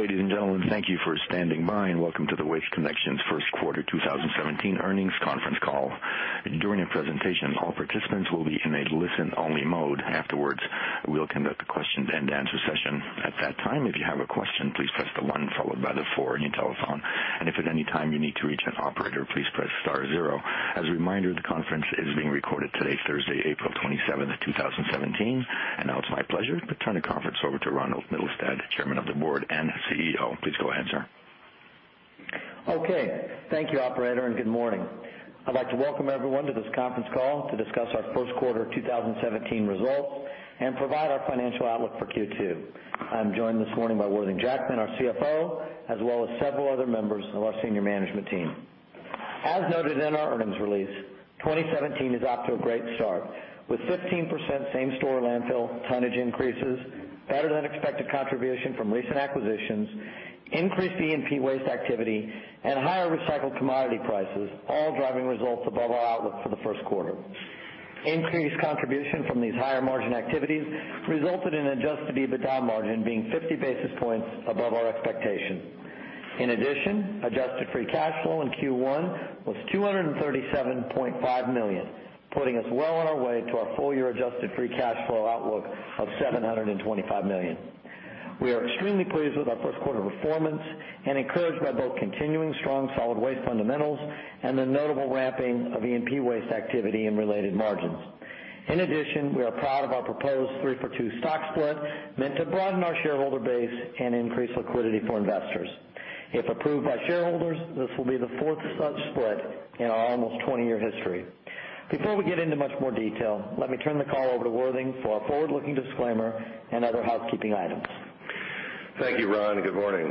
Ladies and gentlemen, thank you for standing by, welcome to the Waste Connections first quarter 2017 earnings conference call. During the presentation, all participants will be in a listen-only mode. Afterwards, we'll conduct a question-and-answer session. At that time, if you have a question, please press the one followed by the four on your telephone. If at any time you need to reach an operator, please press star zero. As a reminder, the conference is being recorded today, Thursday, April 27, 2017. Now it's my pleasure to turn the conference over to Ronald Mittelstaedt, Chairman of the Board and CEO. Please go ahead, sir. Thank you, operator, good morning. I'd like to welcome everyone to this conference call to discuss our first quarter 2017 results and provide our financial outlook for Q2. I'm joined this morning by Worthing Jackman, our CFO, as well as several other members of our senior management team. As noted in our earnings release, 2017 is off to a great start, with 15% same-store landfill tonnage increases, better-than-expected contribution from recent acquisitions, increased E&P waste activity, and higher recycled commodity prices, all driving results above our outlook for the first quarter. Increased contribution from these higher-margin activities resulted in adjusted EBITDA margin being 50 basis points above our expectation. In addition, adjusted free cash flow in Q1 was $237.5 million, putting us well on our way to our full-year adjusted free cash flow outlook of $725 million. We are extremely pleased with our first quarter performance and encouraged by both continuing strong solid waste fundamentals and the notable ramping of E&P waste activity and related margins. In addition, we are proud of our proposed 3-for-2 stock split meant to broaden our shareholder base and increase liquidity for investors. If approved by shareholders, this will be the fourth such split in our almost 20-year history. Before we get into much more detail, let me turn the call over to Worthing for our forward-looking disclaimer and other housekeeping items. Thank you, Ron, good morning.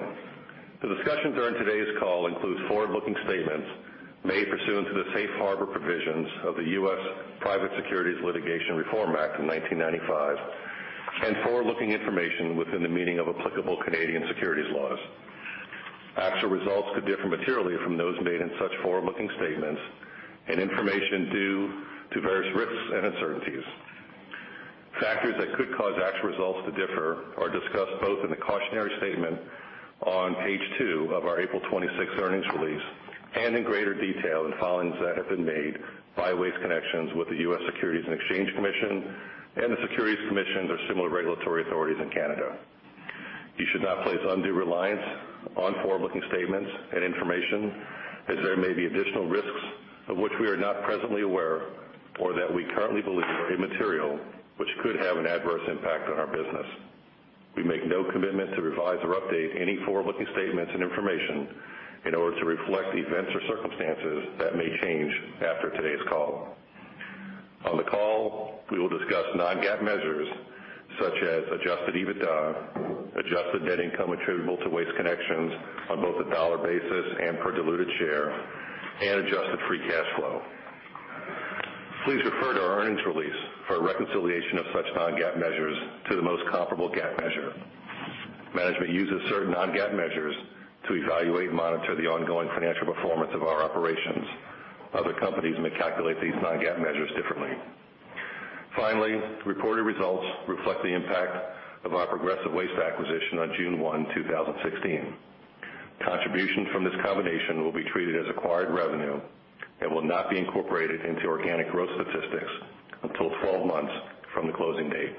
The discussion during today's call includes forward-looking statements made pursuant to the Safe Harbor Provisions of the U.S. Private Securities Litigation Reform Act of 1995 and forward-looking information within the meaning of applicable Canadian Securities laws. Actual results could differ materially from those made in such forward-looking statements and information due to various risks and uncertainties. Factors that could cause actual results to differ are discussed both in the cautionary statement on page two of our April 26 earnings release and in greater detail in filings that have been made by Waste Connections with the U.S. Securities and Exchange Commission and the Securities Commission of similar regulatory authorities in Canada. You should not place undue reliance on forward-looking statements and information, as there may be additional risks of which we are not presently aware or that we currently believe are immaterial, which could have an adverse impact on our business. We make no commitment to revise or update any forward-looking statements and information in order to reflect events or circumstances that may change after today's call. On the call, we will discuss non-GAAP measures such as adjusted EBITDA, adjusted net income attributable to Waste Connections on both a dollar basis and per diluted share, and adjusted free cash flow. Please refer to our earnings release for a reconciliation of such non-GAAP measures to the most comparable GAAP measure. Management uses certain non-GAAP measures to evaluate and monitor the ongoing financial performance of our operations. Other companies may calculate these non-GAAP measures differently. Reported results reflect the impact of our Progressive Waste acquisition on June 1, 2016. Contributions from this combination will be treated as acquired revenue and will not be incorporated into organic growth statistics until 12 months from the closing date.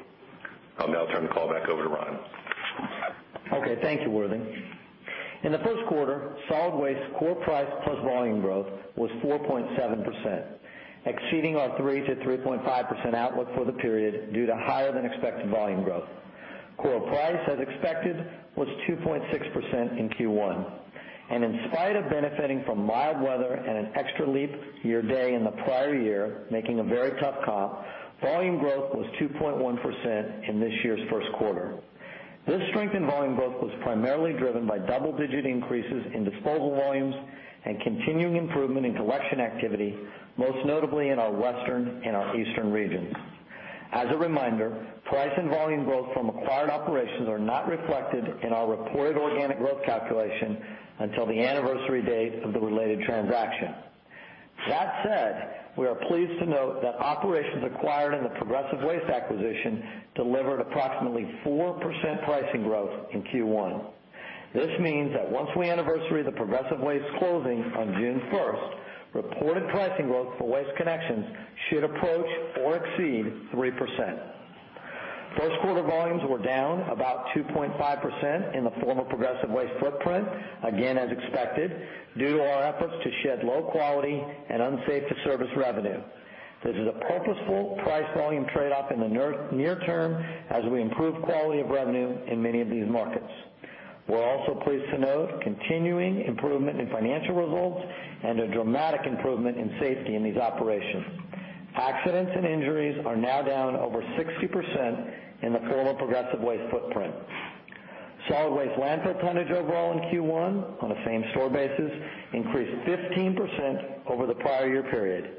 I'll now turn the call back over to Ron. Thank you, Worthing. In the first quarter, solid waste core price plus volume growth was 4.7%, exceeding our 3%-3.5% outlook for the period due to higher-than-expected volume growth. Core price, as expected, was 2.6% in Q1. In spite of benefiting from mild weather and an extra leap year day in the prior year, making a very tough comp, volume growth was 2.1% in this year's first quarter. This strengthened volume growth was primarily driven by double-digit increases in disposal volumes and continuing improvement in collection activity, most notably in our Western and our Eastern regions. As a reminder, price and volume growth from acquired operations are not reflected in our reported organic growth calculation until the anniversary date of the related transaction. That said, we are pleased to note that operations acquired in the Progressive Waste acquisition delivered approximately 4% pricing growth in Q1. This means that once we anniversary the Progressive Waste closing on June 1st, reported pricing growth for Waste Connections should approach or exceed 3%. First quarter volumes were down about 2.5% in the former Progressive Waste footprint, again, as expected, due to our efforts to shed low-quality and unsafe-to-service revenue. This is a purposeful price-volume trade-off in the near term as we improve quality of revenue in many of these markets. We're also pleased to note continuing improvement in financial results and a dramatic improvement in safety in these operations. Accidents and injuries are now down over 60% in the former Progressive Waste footprint. Solid waste landfill tonnage overall in Q1 on a same-store basis increased 15% over the prior year period.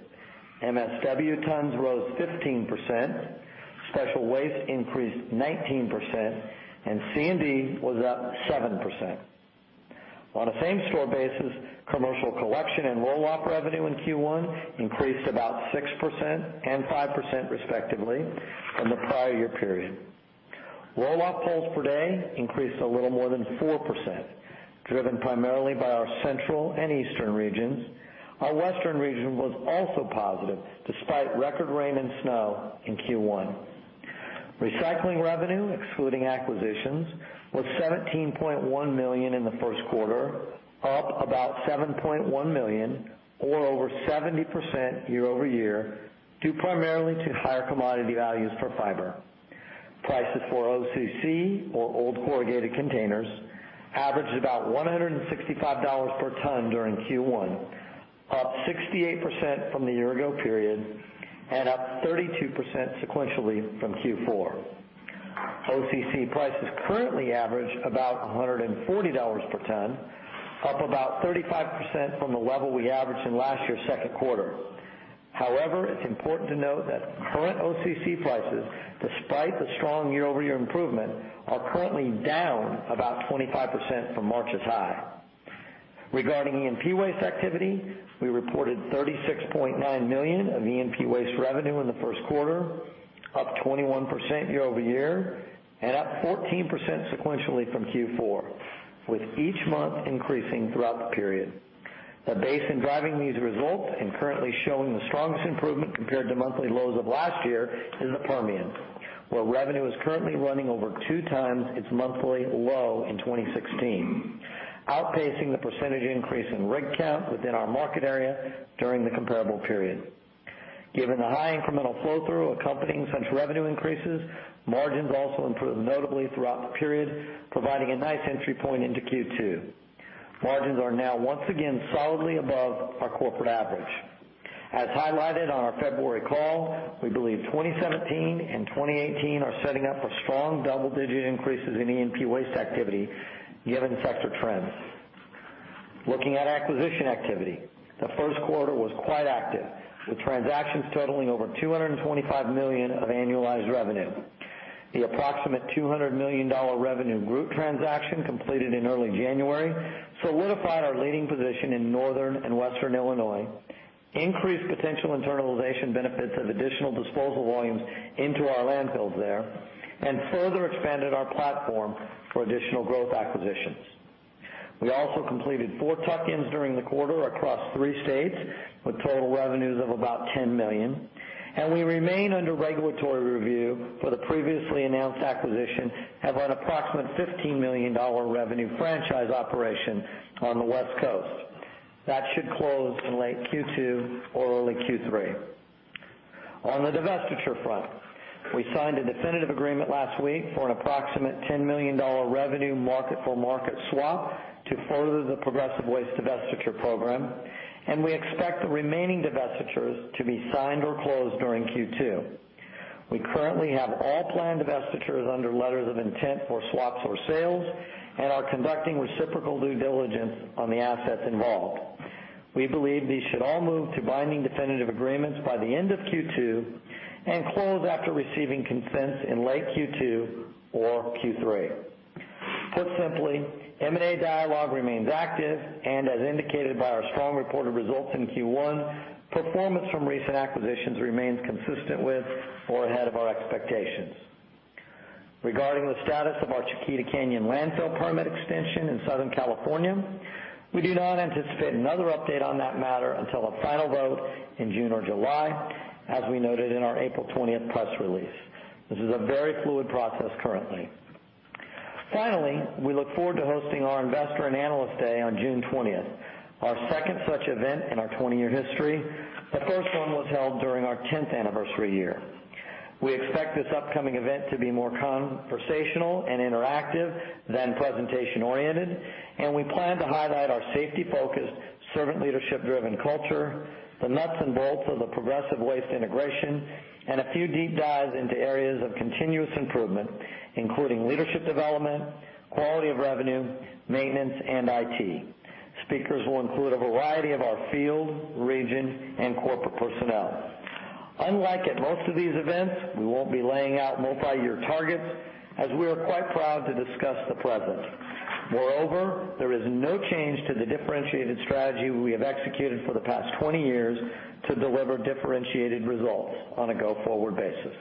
MSW tons rose 15%, special waste increased 19%, and C&D was up 7%. On a same-store basis, commercial collection and roll-off revenue in Q1 increased about 6% and 5% respectively from the prior year period. Roll-off pulls per day increased a little more than 4%, driven primarily by our Central and Eastern regions. Our Western region was also positive despite record rain and snow in Q1. Recycling revenue, excluding acquisitions, was $17.1 million in the first quarter, up about $7.1 million, or over 70% year-over-year, due primarily to higher commodity values for fiber. Prices for OCC, or old corrugated containers, averaged about $165 per ton during Q1, up 68% from the year-ago period and up 32% sequentially from Q4. OCC prices currently average about $140 per ton, up about 35% from the level we averaged in last year's second quarter. It's important to note that current OCC prices, despite the strong year-over-year improvement, are currently down about 25% from March's high. Regarding E&P waste activity, we reported $36.9 million of E&P waste revenue in the first quarter, up 21% year-over-year and up 14% sequentially from Q4, with each month increasing throughout the period. The basin driving these results and currently showing the strongest improvement compared to monthly lows of last year is the Permian, where revenue is currently running over two times its monthly low in 2016, outpacing the percentage increase in rig count within our market area during the comparable period. Given the high incremental flow-through accompanying such revenue increases, margins also improved notably throughout the period, providing a nice entry point into Q2. Margins are now once again solidly above our corporate average. As highlighted on our February call, we believe 2017 and 2018 are setting up for strong double-digit increases in E&P waste activity given sector trends. Looking at acquisition activity, the first quarter was quite active, with transactions totaling over $225 million of annualized revenue. The approximate $200 million revenue group transaction completed in early January solidified our leading position in Northern and Western Illinois, increased potential internalization benefits of additional disposal volumes into our landfills there, and further expanded our platform for additional growth acquisitions. We also completed four tuck-ins during the quarter across three states, with total revenues of about $10 million, and we remain under regulatory review for the previously announced acquisition of an approximate $15 million revenue franchise operation on the West Coast. That should close in late Q2 or early Q3. On the divestiture front, we signed a definitive agreement last week for an approximate $10 million revenue market-for-market swap to further the Progressive Waste divestiture program, and we expect the remaining divestitures to be signed or closed during Q2. We currently have all planned divestitures under letters of intent for swaps or sales and are conducting reciprocal due diligence on the assets involved. We believe these should all move to binding definitive agreements by the end of Q2 and close after receiving consents in late Q2 or Q3. Put simply, M&A dialogue remains active and, as indicated by our strong reported results in Q1, performance from recent acquisitions remains consistent with or ahead of our expectations. Regarding the status of our Chiquita Canyon Landfill permit extension in Southern California, we do not anticipate another update on that matter until a final vote in June or July, as we noted in our April 20th press release. This is a very fluid process currently. Finally, we look forward to hosting our Investor and Analyst Day on June 20th, our second such event in our 20-year history. The first one was held during our 10th anniversary year. We expect this upcoming event to be more conversational and interactive than presentation-oriented, and we plan to highlight our safety-focused, servant leadership-driven culture, the nuts and bolts of the Progressive Waste integration, and a few deep dives into areas of continuous improvement, including leadership development, quality of revenue, maintenance, and IT. Speakers will include a variety of our field, region, and corporate personnel. Unlike at most of these events, we won't be laying out multi-year targets, as we are quite proud to discuss the present. Moreover, there is no change to the differentiated strategy we have executed for the past 20 years to deliver differentiated results on a go-forward basis.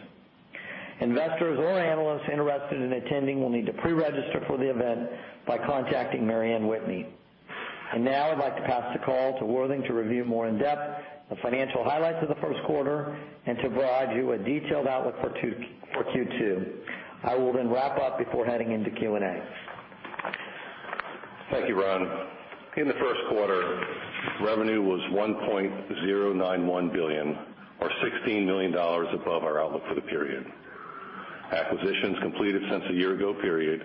Investors or analysts interested in attending will need to pre-register for the event by contacting Mary Anne Whitney. Now I'd like to pass the call to Worthing to review more in depth the financial highlights of the first quarter and to provide you a detailed outlook for Q2. I will then wrap up before heading into Q&A. Thank you, Ron. In the first quarter, revenue was $1.091 billion, or $16 million above our outlook for the period. Acquisitions completed since the year-ago period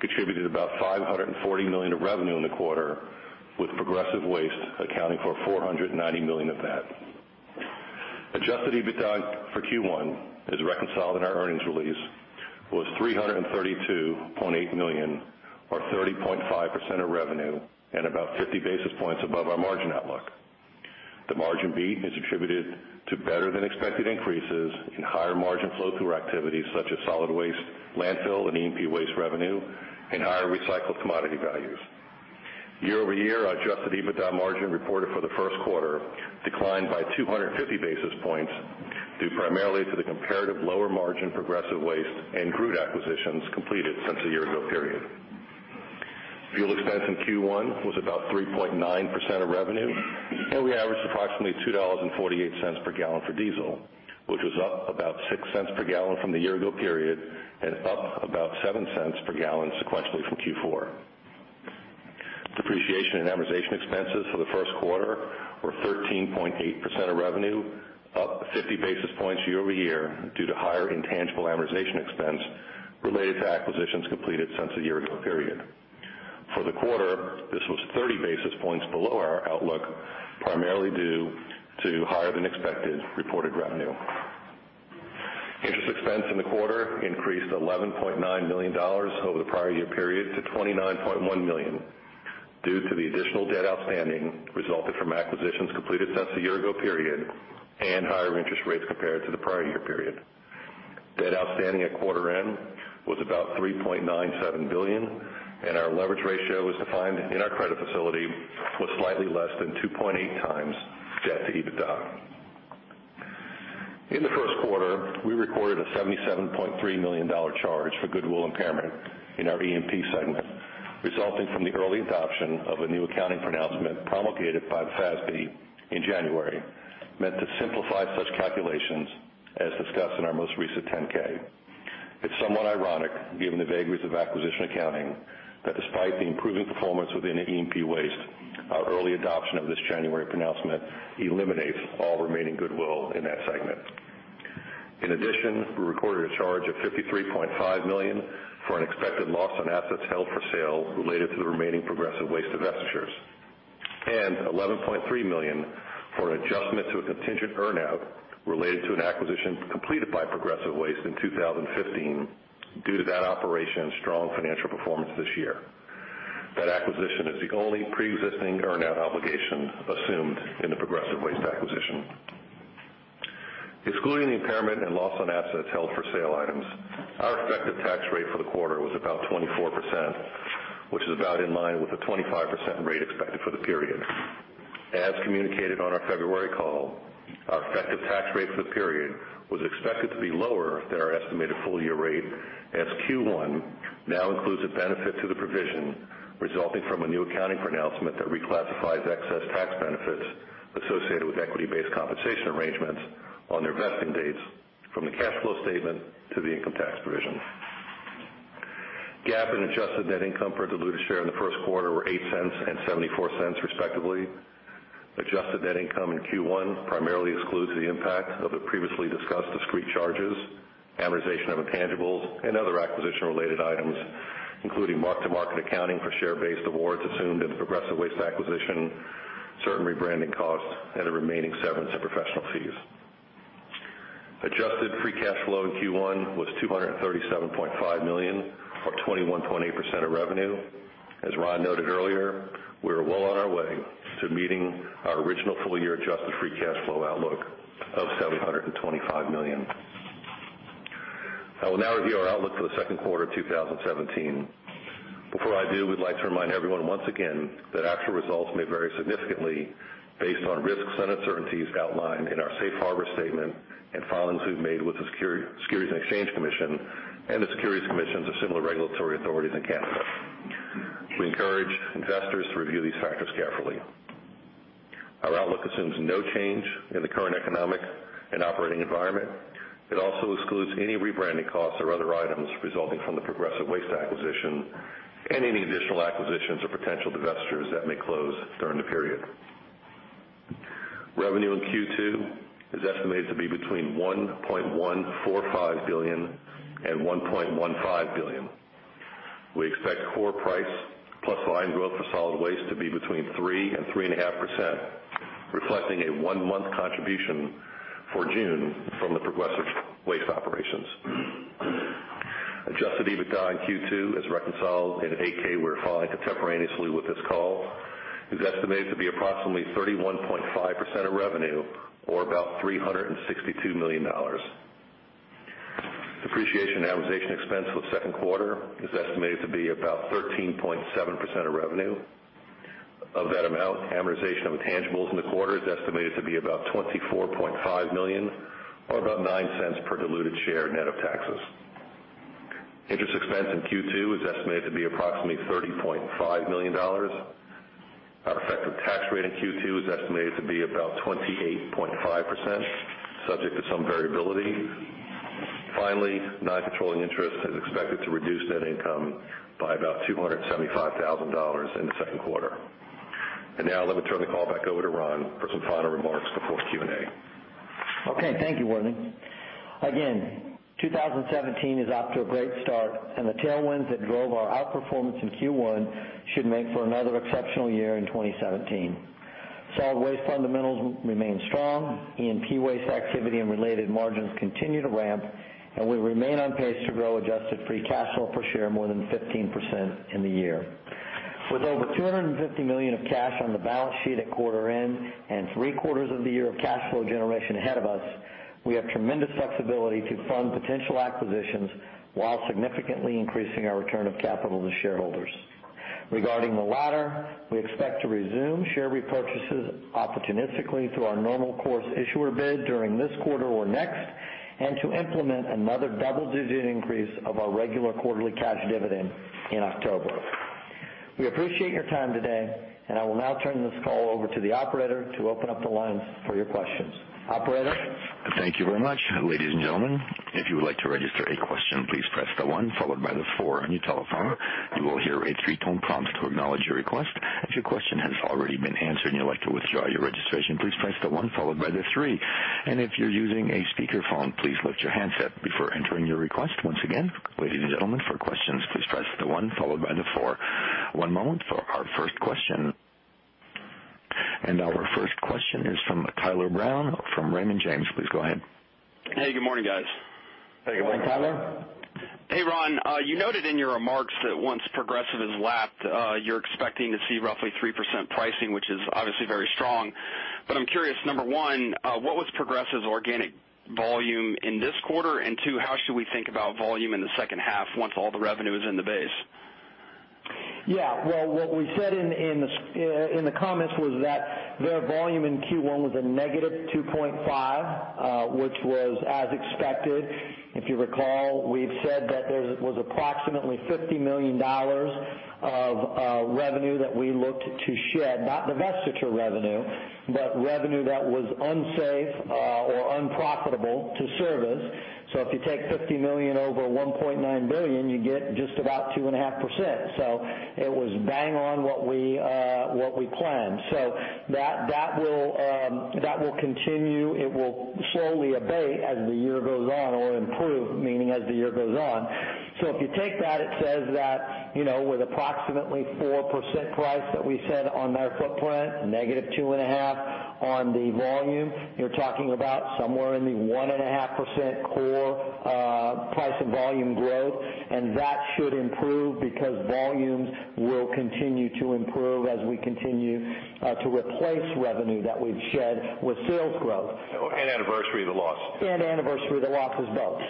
contributed about $540 million of revenue in the quarter, with Progressive Waste accounting for $490 million of that. Adjusted EBITDA for Q1, as reconciled in our earnings release, was $332.8 million, or 30.5% of revenue, and about 50 basis points above our margin outlook. Margin beat is attributed to better-than-expected increases in higher margin flow-through activities such as solid waste, landfill, and E&P waste revenue, and higher recycled commodity values. Year-over-year, our adjusted EBITDA margin reported for the first quarter declined by 250 basis points due primarily to the comparative lower margin Progressive Waste and crude acquisitions completed since the year-ago period. Fuel expense in Q1 was about 3.9% of revenue, and we averaged approximately $2.48 per gallon for diesel, which was up about $0.06 per gallon from the year-ago period and up about $0.07 per gallon sequentially from Q4. Depreciation and amortization expenses for the first quarter were 13.8% of revenue, up 50 basis points year-over-year due to higher intangible amortization expense related to acquisitions completed since the year-ago period. For the quarter, this was 30 basis points below our outlook, primarily due to higher-than-expected reported revenue. Interest expense in the quarter increased to $11.9 million over the prior year period to $29.1 million due to the additional debt outstanding resulted from acquisitions completed since the year-ago period and higher interest rates compared to the prior year period. Debt outstanding at quarter end was about $3.97 billion, and our leverage ratio, as defined in our credit facility, was slightly less than 2.8 times debt to EBITDA. In the first quarter, we recorded a $77.3 million charge for goodwill impairment in our E&P segment, resulting from the early adoption of a new accounting pronouncement promulgated by the FASB in January, meant to simplify such calculations as discussed in our most recent 10-K. It's somewhat ironic, given the vagaries of acquisition accounting, that despite the improving performance within E&P Waste, our early adoption of this January pronouncement eliminates all remaining goodwill in that segment. In addition, we recorded a charge of $53.5 million for an expected loss on assets held for sale related to the remaining Progressive Waste divestitures, and $11.3 million for an adjustment to a contingent earn-out related to an acquisition completed by Progressive Waste in 2015 due to that operation's strong financial performance this year. That acquisition is the only preexisting earn-out obligation assumed in the Progressive Waste acquisition. Excluding the impairment and loss on assets held for sale items, our effective tax rate for the quarter was about 24%, which is about in line with the 25% rate expected for the period. As communicated on our February call, our effective tax rate for the period was expected to be lower than our estimated full-year rate, as Q1 now includes a benefit to the provision resulting from a new accounting pronouncement that reclassifies excess tax benefits associated with equity-based compensation arrangements on their vesting dates from the cash flow statement to the income tax provision. GAAP and adjusted net income per diluted share in the first quarter were $0.08 and $0.74, respectively. Adjusted net income in Q1 primarily excludes the impact of the previously discussed discrete charges, amortization of intangibles, and other acquisition-related items, including mark-to-market accounting for share-based awards assumed in the Progressive Waste acquisition, certain rebranding costs, and the remaining severance and professional fees. Adjusted free cash flow in Q1 was $237.5 million, or 21.8% of revenue. As Ron noted earlier, we are well on our way to meeting our original full-year adjusted free cash flow outlook of $725 million. I will now review our outlook for the second quarter of 2017. Before I do, we'd like to remind everyone once again that actual results may vary significantly based on risks and uncertainties outlined in our safe harbor statement and filings we've made with the Securities and Exchange Commission and the securities commissions of similar regulatory authorities in Canada. We encourage investors to review these factors carefully. Our outlook assumes no change in the current economic and operating environment. It also excludes any rebranding costs or other items resulting from the Progressive Waste acquisition and any additional acquisitions or potential divestitures that may close during the period. Revenue in Q2 is estimated to be between $1.145 billion and $1.15 billion. We expect core price plus volume growth for solid waste to be between 3%-3.5%, reflecting a one-month contribution for June from the Progressive Waste operations. Adjusted EBITDA in Q2, as reconciled in an 8-K we're filing contemporaneously with this call, is estimated to be approximately 31.5% of revenue or about $362 million. Depreciation and amortization expense for the second quarter is estimated to be about 13.7% of revenue. Of that amount, amortization of intangibles in the quarter is estimated to be about $24.5 million, or about $0.09 per diluted share net of taxes. Interest expense in Q2 is estimated to be approximately $30.5 million. Our effective tax rate in Q2 is estimated to be about 28.5%, subject to some variability. Finally, non-controlling interest is expected to reduce net income by about $275,000 in the second quarter. Now let me turn the call back over to Ron for some final remarks before Q&A. Okay. Thank you, Worthing. 2017 is off to a great start. The tailwinds that drove our outperformance in Q1 should make for another exceptional year in 2017. Solid waste fundamentals remain strong. E&P waste activity and related margins continue to ramp. We remain on pace to grow adjusted free cash flow per share more than 15% in the year. With over $250 million of cash on the balance sheet at quarter end, three quarters of the year of cash flow generation ahead of us, we have tremendous flexibility to fund potential acquisitions while significantly increasing our return of capital to shareholders. Regarding the latter, we expect to resume share repurchases opportunistically through our normal course issuer bid during this quarter or next, to implement another double-digit increase of our regular quarterly cash dividend in October. We appreciate your time today. I will now turn this call over to the operator to open up the lines for your questions. Operator? Thank you very much. Ladies and gentlemen, if you would like to register a question, please press the one followed by the four on your telephone. You will hear a three-tone prompt to acknowledge your request. If your question has already been answered and you'd like to withdraw your registration, please press the one followed by the three. If you're using a speakerphone, please lift your handset before entering your request. Once again, ladies and gentlemen, for questions, please press the one followed by the four. One moment for our first question. Our first question is from Tyler Brown from Raymond James. Please go ahead. Hey, good morning, guys. Hey, good morning, Tyler. Hey, Ron. You noted in your remarks that once Progressive is lapped, you're expecting to see roughly 3% pricing, which is obviously very strong. But I'm curious, number 1, what was Progressive's organic volume in this quarter? Two, how should we think about volume in the second half once all the revenue is in the base? What we said in the comments was that their volume in Q1 was a negative 2.5%, which was as expected. If you recall, we've said that there was approximately 50 million dollars of revenue that we looked to shed, not divestiture revenue, but revenue that was unsafe or unprofitable to service. If you take 50 million over 1.9 billion, you get just about 2.5%. It was bang on what we planned. That will continue. It will slowly abate as the year goes on or improve, meaning as the year goes on. If you take that, it says that with approximately 4% price that we said on their footprint, -2.5% on the volume, you're talking about somewhere in the 1.5% core price and volume growth. That should improve because volumes will continue to improve as we continue to replace revenue that we've shed with sales growth. Anniversary the loss. Anniversary the losses both.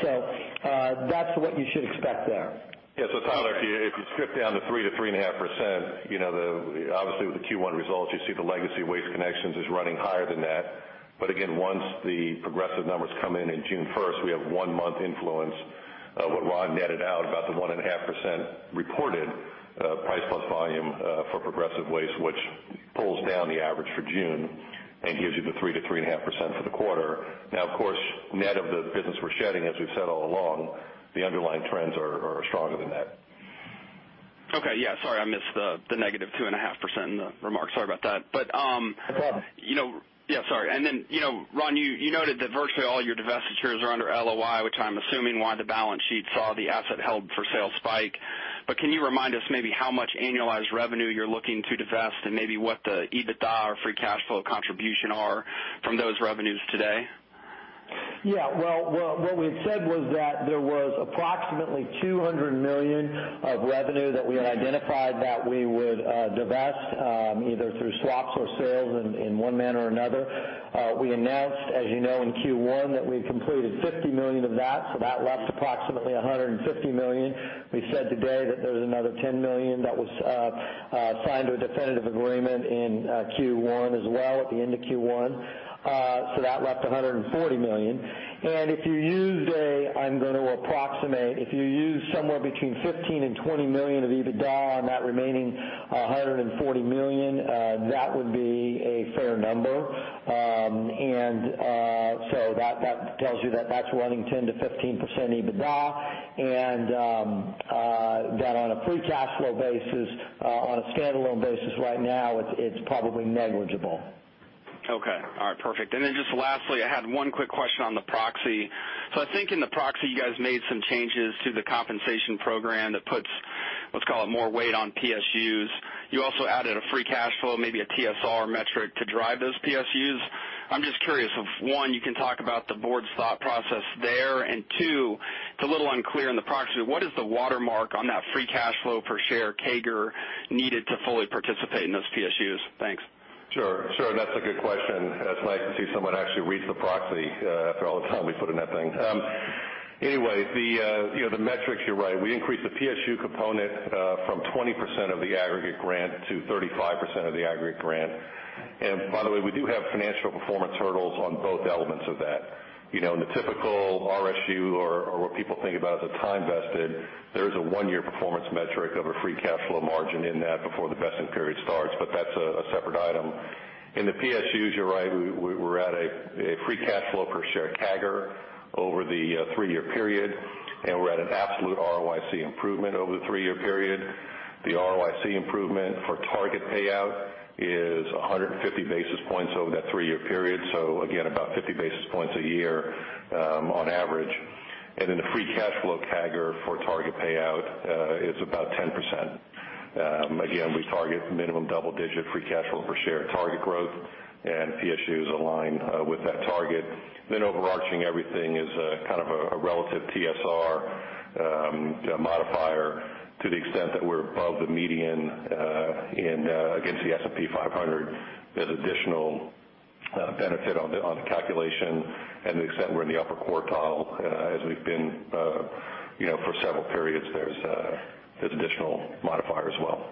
That's what you should expect there. Tyler, if you strip down to 3%-3.5%, obviously with the Q1 results, you see the legacy Waste Connections is running higher than that. Again, once the Progressive numbers come in in June 1st, we have one month influence of what Ron netted out about the 1.5% reported price plus volume for Progressive Waste, which pulls down the average for June and gives you the 3%-3.5% for the quarter. Of course, net of the business we're shedding, as we've said all along, the underlying trends are stronger than that. Sorry, I missed the -2.5% in the remarks. Sorry about that. No problem. Sorry. Ron, you noted that virtually all your divestitures are under LOI, which I'm assuming why the balance sheet saw the asset held for sale spike. Can you remind us maybe how much annualized revenue you're looking to divest, and maybe what the EBITDA or free cash flow contribution are from those revenues today? Yeah. What we had said was that there was approximately $200 million of revenue that we had identified that we would divest, either through swaps or sales in one manner or another. We announced, as you know, in Q1 that we completed $50 million of that, so that left approximately $150 million. We said today that there's another $10 million that was signed to a definitive agreement in Q1 as well, at the end of Q1. That left $140 million. If you used a, I'm going to approximate, if you used somewhere between $15 million and $20 million of EBITDA on that remaining $140 million, that would be a fair number. That tells you that's running 10%-15% EBITDA, and that on a free cash flow basis, on a standalone basis right now, it's probably negligible. Okay. All right, perfect. Just lastly, I had one quick question on the proxy. I think in the proxy, you guys made some changes to the compensation program that puts, let's call it, more weight on PSUs. You also added a free cash flow, maybe a TSR metric to drive those PSUs. I'm just curious if, one, you can talk about the board's thought process there. Two, it's a little unclear in the proxy, what is the watermark on that free cash flow per share CAGR needed to fully participate in those PSUs? Thanks. Sure. That's a good question. It's nice to see someone actually reads the proxy after all the time we put in that thing. Anyway, the metrics, you're right. We increased the PSU component from 20% of the aggregate grant to 35% of the aggregate grant. By the way, we do have financial performance hurdles on both elements of that. In the typical RSU or what people think about as a time vested, there is a one-year performance metric of a free cash flow margin in that before the vesting period starts, but that's a separate item. In the PSUs, you're right, we're at a free cash flow per share CAGR over the three-year period, and we're at an absolute ROIC improvement over the three-year period. The ROIC improvement for target payout is 150 basis points over that three-year period. Again, about 50 basis points a year on average. The free cash flow CAGR for target payout is about 10%. We target minimum double-digit free cash flow per share target growth, and PSU is aligned with that target. Overarching everything is a kind of a relative TSR modifier to the extent that we're above the median against the S&P 500, there's additional benefit on the calculation and the extent we're in the upper quartile, as we've been for several periods, there's additional modifier as well.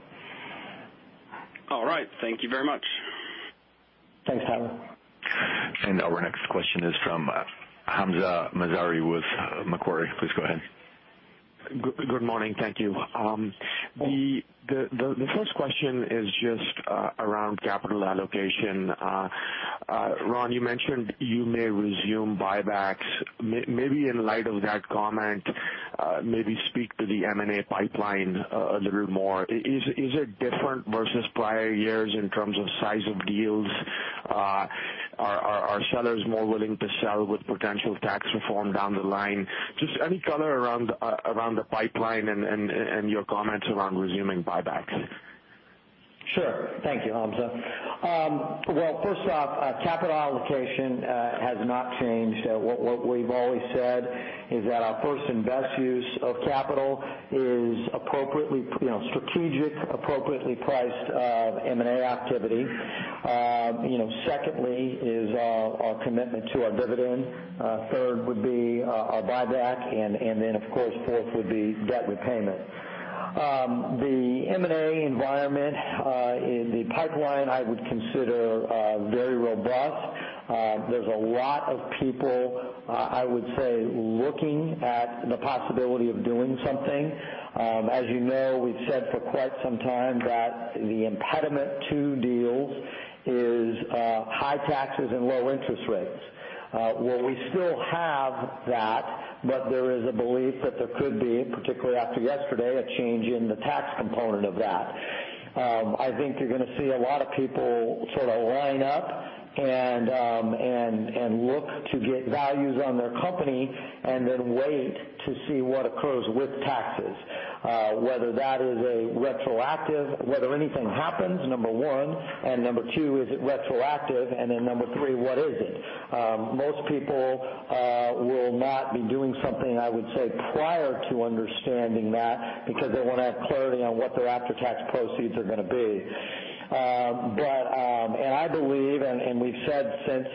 All right. Thank you very much. Thanks, Tyler. Now our next question is from Hamzah Mazari with Macquarie. Please go ahead. Good morning. Thank you. The first question is just around capital allocation. Ron, you mentioned you may resume buybacks. Maybe in light of that comment, maybe speak to the M&A pipeline a little more. Is it different versus prior years in terms of size of deals? Are sellers more willing to sell with potential tax reform down the line? Just any color around the pipeline and your comments around resuming buybacks. Thank you, Hamzah. First off, capital allocation has not changed. What we've always said is that our first and best use of capital is strategic, appropriately priced M&A activity. Secondly, is our commitment to our dividend. Third, would be our buyback, and then, of course, fourth, would be debt repayment. The M&A environment in the pipeline I would consider very robust. There's a lot of people, I would say, looking at the possibility of doing something. As you know, we've said for quite some time that the impediment to deals is high taxes and low interest rates. We still have that, but there is a belief that there could be, particularly after yesterday, a change in the tax component of that. I think you're going to see a lot of people sort of line up and look to get values on their company, and then wait to see what occurs with taxes, whether anything happens, number 1, and number 2, is it retroactive, and then number 3, what is it? Most people will not be doing something, I would say, prior to understanding that because they want to have clarity on what their after-tax proceeds are going to be. I believe, and we've said since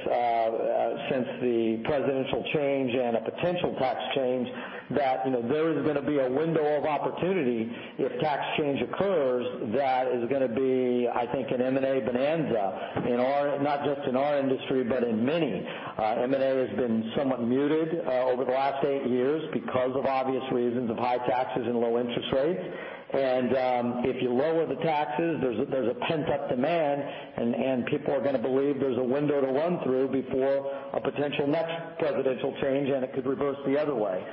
the presidential change and a potential tax change, that there is going to be a window of opportunity if tax change occurs that is going to be, I think, an M&A bonanza, not just in our industry, but in many. M&A has been somewhat muted over the last 8 years because of obvious reasons of high taxes and low interest rates. If you lower the taxes, there's a pent-up demand, and people are going to believe there's a window to run through before a potential next presidential change, and it could reverse the other way.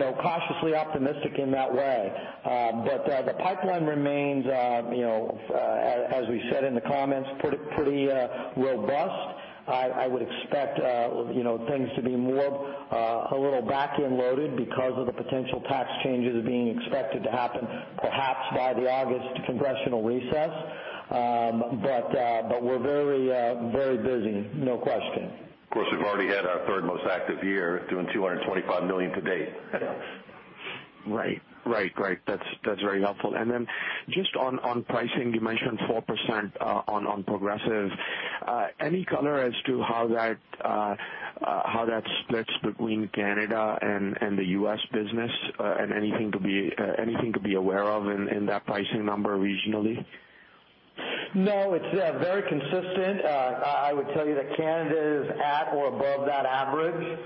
We're cautiously optimistic in that way. The pipeline remains, as we said in the comments, pretty robust. I would expect things to be more a little back-end loaded because of the potential tax changes being expected to happen, perhaps by the August congressional recess. We're very busy, no question. Of course, we've already had our third most active year doing 225 million to date. Right. That's very helpful. Then just on pricing, you mentioned 4% on Progressive. Any color as to how that splits between Canada and the U.S. business, and anything to be aware of in that pricing number regionally? No, it's very consistent. I would tell you that Canada is at or above that average.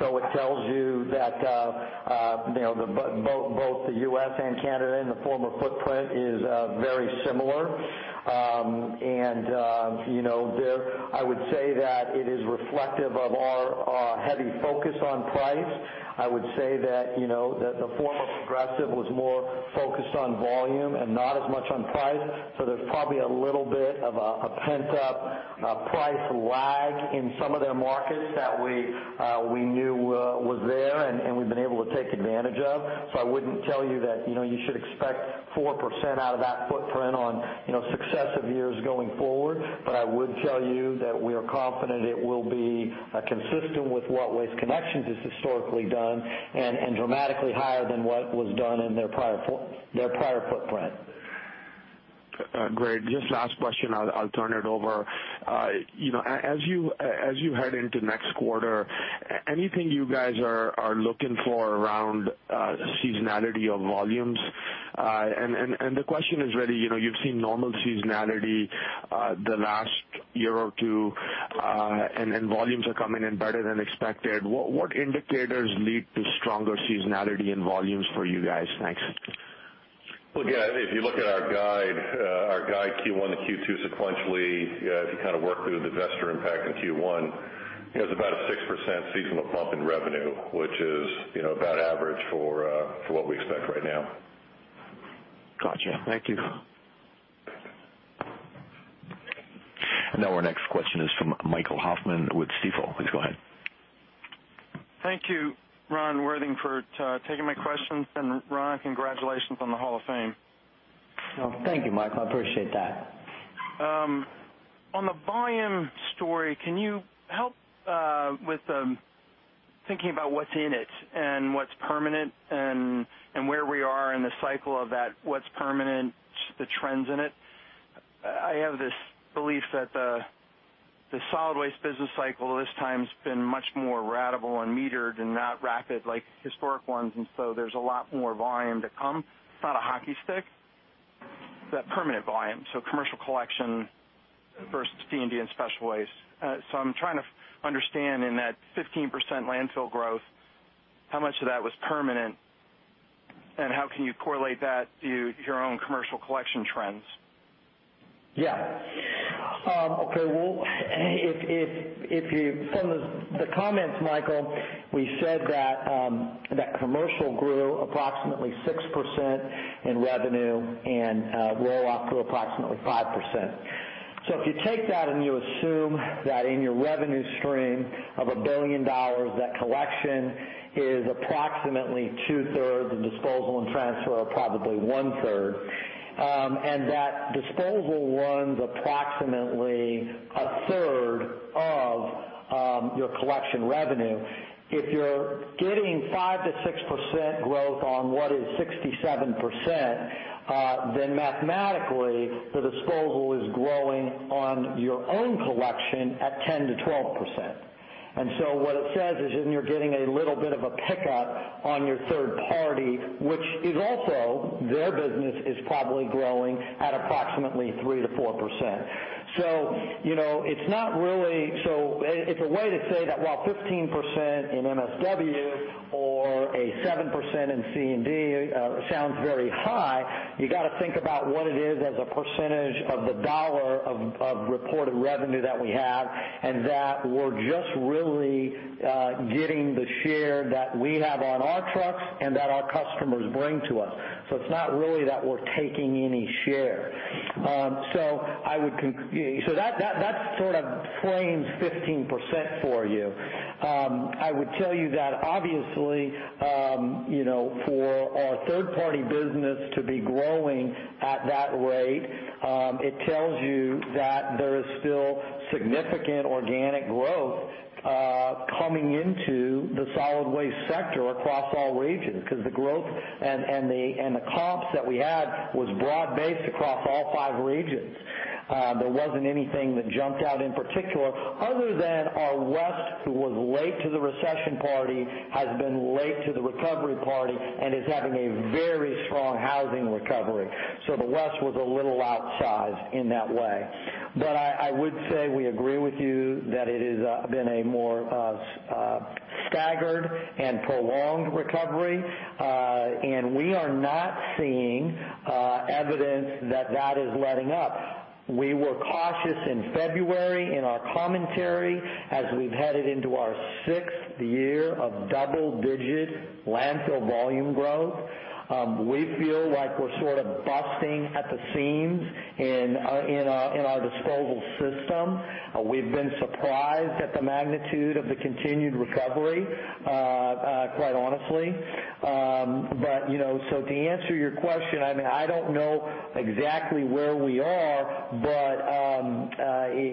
So it tells you that both the U.S. and Canada in the former footprint is very similar. I would say that it is reflective of our heavy focus on price. I would say the former Progressive was more focused on volume and not as much on price. There's probably a little bit of a pent-up price lag in some of their markets that we knew was there and we've been able to take advantage of. I wouldn't tell you that you should expect 4% out of that footprint on successive years going forward, but I would tell you that we are confident it will be consistent with what Waste Connections has historically done and dramatically higher than what was done in their prior footprint. Great. Just last question, I'll turn it over. As you head into next quarter, anything you guys are looking for around seasonality of volumes? The question is really, you've seen normal seasonality the last year or two, and volumes are coming in better than expected. What indicators lead to stronger seasonality in volumes for you guys? Thanks. Look, if you look at our guide Q1 to Q2 sequentially, if you kind of work through the divestiture impact in Q1, it's about a 6% seasonal bump in revenue, which is about average for what we expect right now. Gotcha. Thank you. Now our next question is from Michael Hoffman with Stifel. Please go ahead. Thank you, Ron Worthing, for taking my questions. Ron, congratulations on the Hall of Fame. Well, thank you, Michael. I appreciate that. On the volume story, can you help with thinking about what's in it and what's permanent and where we are in the cycle of that, what's permanent, the trends in it, I have this belief that the solid waste business cycle this time has been much more ratable and metered and not rapid like historic ones, there's a lot more volume to come. It's not a hockey stick. It's that permanent volume, so commercial collection versus C&D and special waste. I'm trying to understand, in that 15% landfill growth, how much of that was permanent and how can you correlate that to your own commercial collection trends? From the comments, Michael, we said that commercial grew approximately 6% in revenue and roll-off grew approximately 5%. If you take that and you assume that in your revenue stream of $1 billion, that collection is approximately two-thirds, and disposal and transfer are probably one-third, and that disposal runs approximately a third of your collection revenue. If you're getting 5%-6% growth on what is 67%, mathematically, the disposal is growing on your own collection at 10%-12%. What it says is you're getting a little bit of a pickup on your third party, which is also, their business is probably growing at approximately 3%-4%. It's a way to say that while 15% in MSW or a 7% in C&D sounds very high, you got to think about what it is as a percentage of the dollar of reported revenue that we have, that we're just really getting the share that we have on our trucks and that our customers bring to us. It's not really that we're taking any share. That sort of frames 15% for you. I would tell you that obviously, for our third-party business to be growing at that rate, it tells you that there is still significant organic growth coming into the solid waste sector across all regions, because the growth and the comps that we had was broad-based across all five regions. There wasn't anything that jumped out in particular, other than our west, who was late to the recession party, has been late to the recovery party and is having a very strong housing recovery. The west was a little outsized in that way. I would say we agree with you that it has been a more staggered and prolonged recovery, we are not seeing evidence that that is letting up. We were cautious in February in our commentary, as we've headed into our sixth year of double-digit landfill volume growth. We feel like we're sort of busting at the seams in our disposal system. We've been surprised at the magnitude of the continued recovery, quite honestly. To answer your question, I don't know exactly where we are,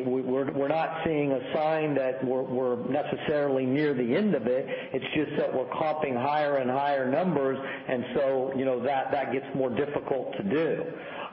we're not seeing a sign that we're necessarily near the end of it. It's just that we're comping higher and higher numbers, that gets more difficult to do.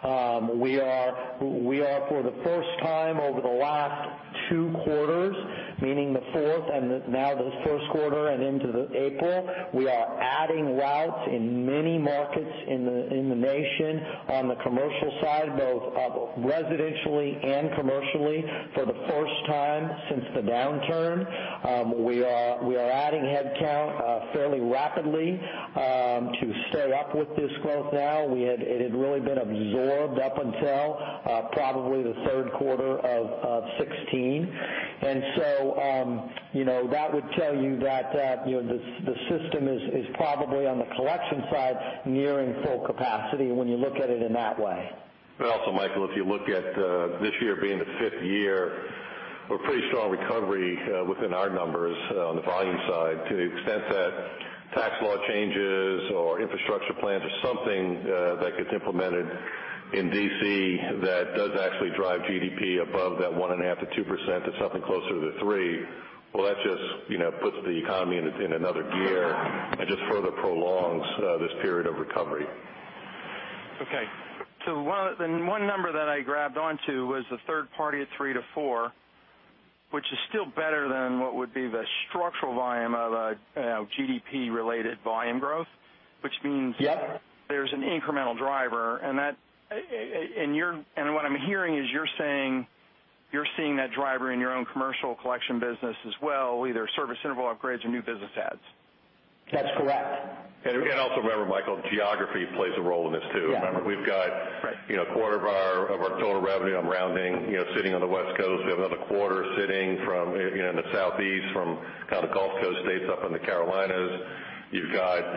We are, for the first time over the last 2 quarters, meaning the fourth and now this first quarter and into April, we are adding routes in many markets in the nation on the commercial side, both residentially and commercially, for the first time since the downturn. We are adding headcount fairly rapidly to stay up with this growth now. It had really been absorbed up until probably the third quarter of 2016. That would tell you that the system is probably, on the collection side, nearing full capacity when you look at it in that way. Also, Michael, if you look at this year being the fifth year, we're pretty strong recovery within our numbers on the volume side to the extent that tax law changes or infrastructure plans or something that gets implemented in D.C. that does actually drive GDP above that 1.5%-2% to something closer to the 3%, well, that just puts the economy in another gear and just further prolongs this period of recovery. Okay. One number that I grabbed onto was the third party at 3%-4%, which is still better than what would be the structural volume of a GDP-related volume growth, which means. Yeah There's an incremental driver. What I'm hearing is you're saying you're seeing that driver in your own commercial collection business as well, either service interval upgrades or new business adds. That's correct. Also remember, Michael, geography plays a role in this, too. Yeah. Remember, we've got a quarter of our total revenue, I'm rounding, sitting on the West Coast. We have another quarter sitting from in the Southeast, from kind of Gulf Coast states up in the Carolinas. You've got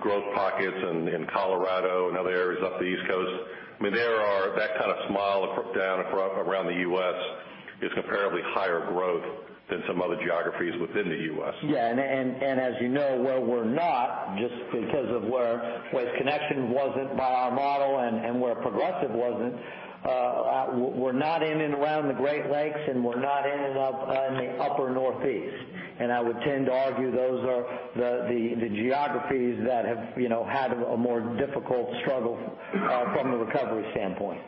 growth pockets in Colorado and other areas up the East Coast. That kind of smile down around the U.S. is comparatively higher growth than some other geographies within the U.S. Yeah, as you know, where we're not, just because of where Waste Connections wasn't by our model and where Progressive wasn't, we're not in and around the Great Lakes and we're not in and up piece. I would tend to argue those are the geographies that have had a more difficult struggle from a recovery standpoint.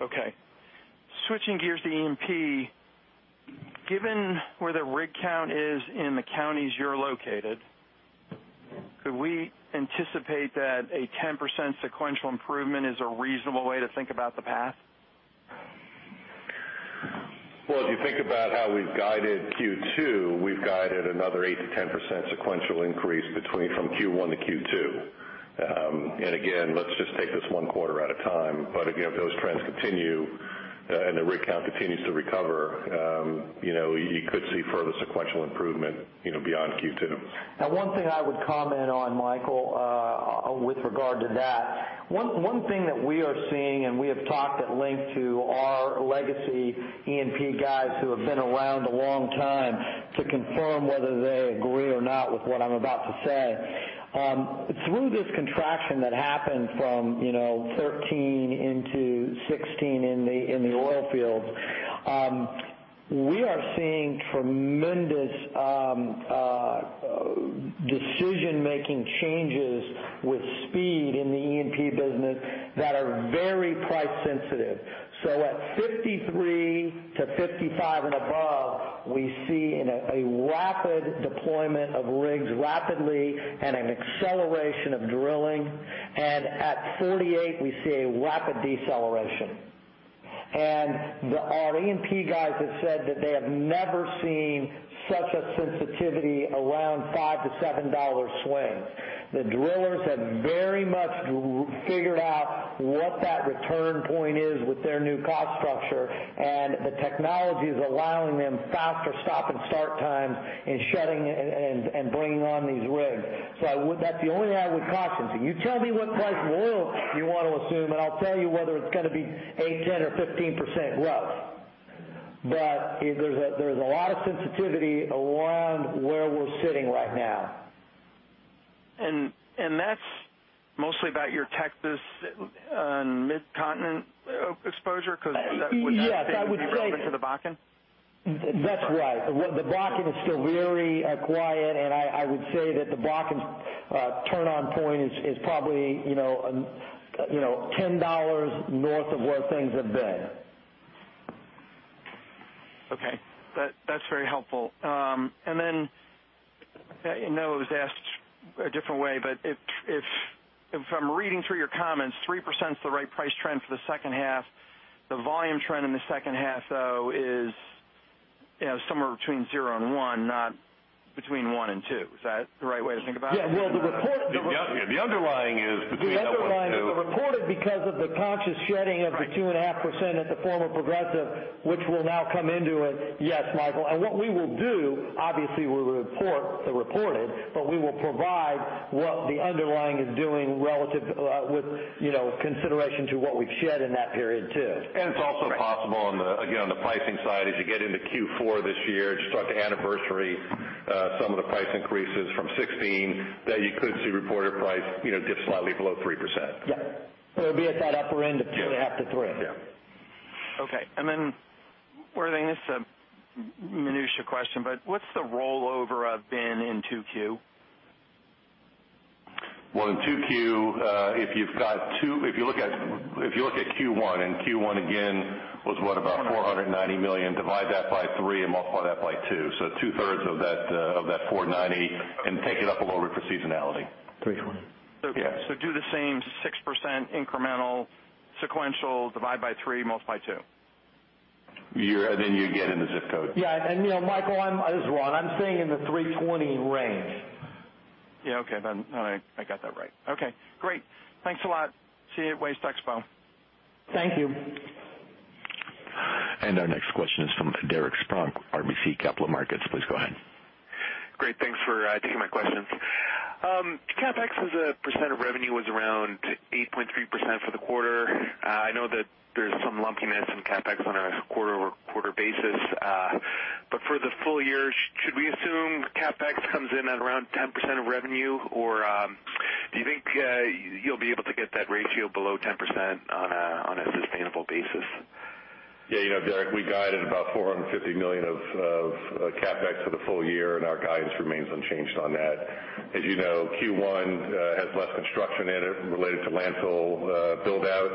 Okay. Switching gears to E&P, given where the rig count is in the counties you're located, could we anticipate that a 10% sequential improvement is a reasonable way to think about the path? Well, if you think about how we've guided Q2, we've guided another 8%-10% sequential increase between from Q1 to Q2. Again, let's just take this one quarter at a time. If those trends continue, and the rig count continues to recover, you could see further sequential improvement beyond Q2. One thing I would comment on, Michael, with regard to that, one thing that we are seeing, and we have talked at length to our legacy E&P guys who have been around a long time to confirm whether they agree or not with what I'm about to say. Through this contraction that happened from 2013 into 2016 in the oil fields, we are seeing tremendous decision-making changes with speed in the E&P business that are very price sensitive. At $53-$55 and above, we see a rapid deployment of rigs rapidly and an acceleration of drilling. At $48, we see a rapid deceleration. Our E&P guys have said that they have never seen such a sensitivity around $5-$7 swing. The drillers have very much figured out what that return point is with their new cost structure, and the technology is allowing them faster stop-and-start times in shutting and bringing on these rigs. That's the only I would caution. You tell me what price oil you want to assume, and I'll tell you whether it's going to be 8%, 10%, or 15% growth. There's a lot of sensitivity around where we're sitting right now. That's mostly about your Texas and Mid-Continent exposure because that would not-. Yes. That would-. Be relevant to the Bakken? That's right. The Bakken is still very quiet, and I would say that the Bakken's turn-on point is probably $10 north of where things have been. Okay. That's very helpful. I know it was asked a different way, but if I'm reading through your comments, 3%'s the right price trend for the second half. The volume trend in the second half, though, is somewhere between zero and one, not between one and two. Is that the right way to think about it? Yeah. Well, The underlying is between that one and two. The reported, because of the conscious shedding of the 2.5% at the former Progressive, which will now come into it, yes, Michael. What we will do, obviously, we'll report the reported, but we will provide what the underlying is doing relative with consideration to what we've shed in that period, too. It's also possible, again, on the pricing side, as you get into Q4 this year, you start to anniversary some of the price increases from 2016, that you could see reported price dip slightly below 3%. Yeah. It'll be at that upper end of 2.5%-3%. Yeah. Okay. This is a minutiae question, but what's the rollover of BIN in 2Q? Well, in 2Q, if you look at Q1, again, was what, about $490 million? Divide that by three and multiply that by two. Two-thirds of that $490, take it up a little bit for seasonality. 320. Yeah. Do the same 6% incremental sequential divide by three, multiply two. You're getting the ZIP Code. Yeah. Michael, this is Ron. I'm staying in the 320 range. Yeah. Okay. I got that right. Okay, great. Thanks a lot. See you at Waste Expo. Thank you. Our next question is from Derek Spronck, RBC Capital Markets. Please go ahead. Great. Thanks for taking my questions. CapEx as a percent of revenue was around 8.3% for the quarter. I know that there's some lumpiness in CapEx on a quarter-over-quarter basis. For the full year, should we assume CapEx comes in at around 10% of revenue? Or do you think you'll be able to get that ratio below 10% on a sustainable basis? Yeah, Derek, we guided about $450 million of CapEx for the full year, our guidance remains unchanged on that. You know, Q1 has less construction in it related to landfill build-out.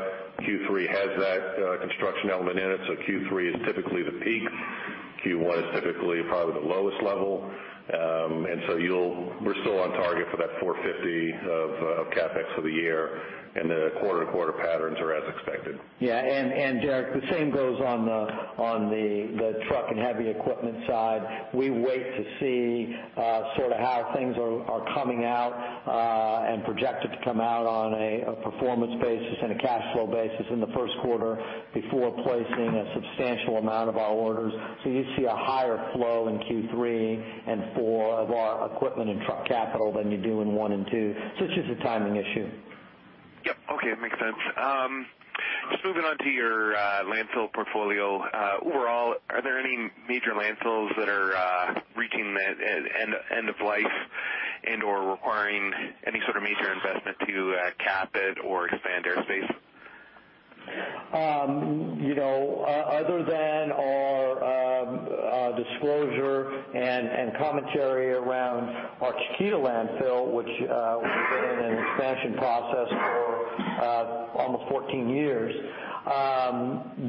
Q3 has that construction element in it. Q3 is typically the peak. Q1 is typically probably the lowest level. We're still on target for that $450 of CapEx for the year, the quarter-to-quarter patterns are as expected. Yeah. Derek, the same goes on the truck and heavy equipment side. We wait to see sort of how things are coming out, and projected to come out on a performance basis and a cash flow basis in the first quarter before placing a substantial amount of our orders. You see a higher flow in Q3 and 4 of our equipment and truck capital than you do in one and two. It's just a timing issue. Yep. Okay, makes sense. Just moving on to your landfill portfolio. Overall, are there any major landfills that are reaching the end of life and/or requiring any sort of major investment to cap it or expand airspace? Other than our disclosure and commentary around our Chiquita landfill, which has been in an expansion process for almost 14 years,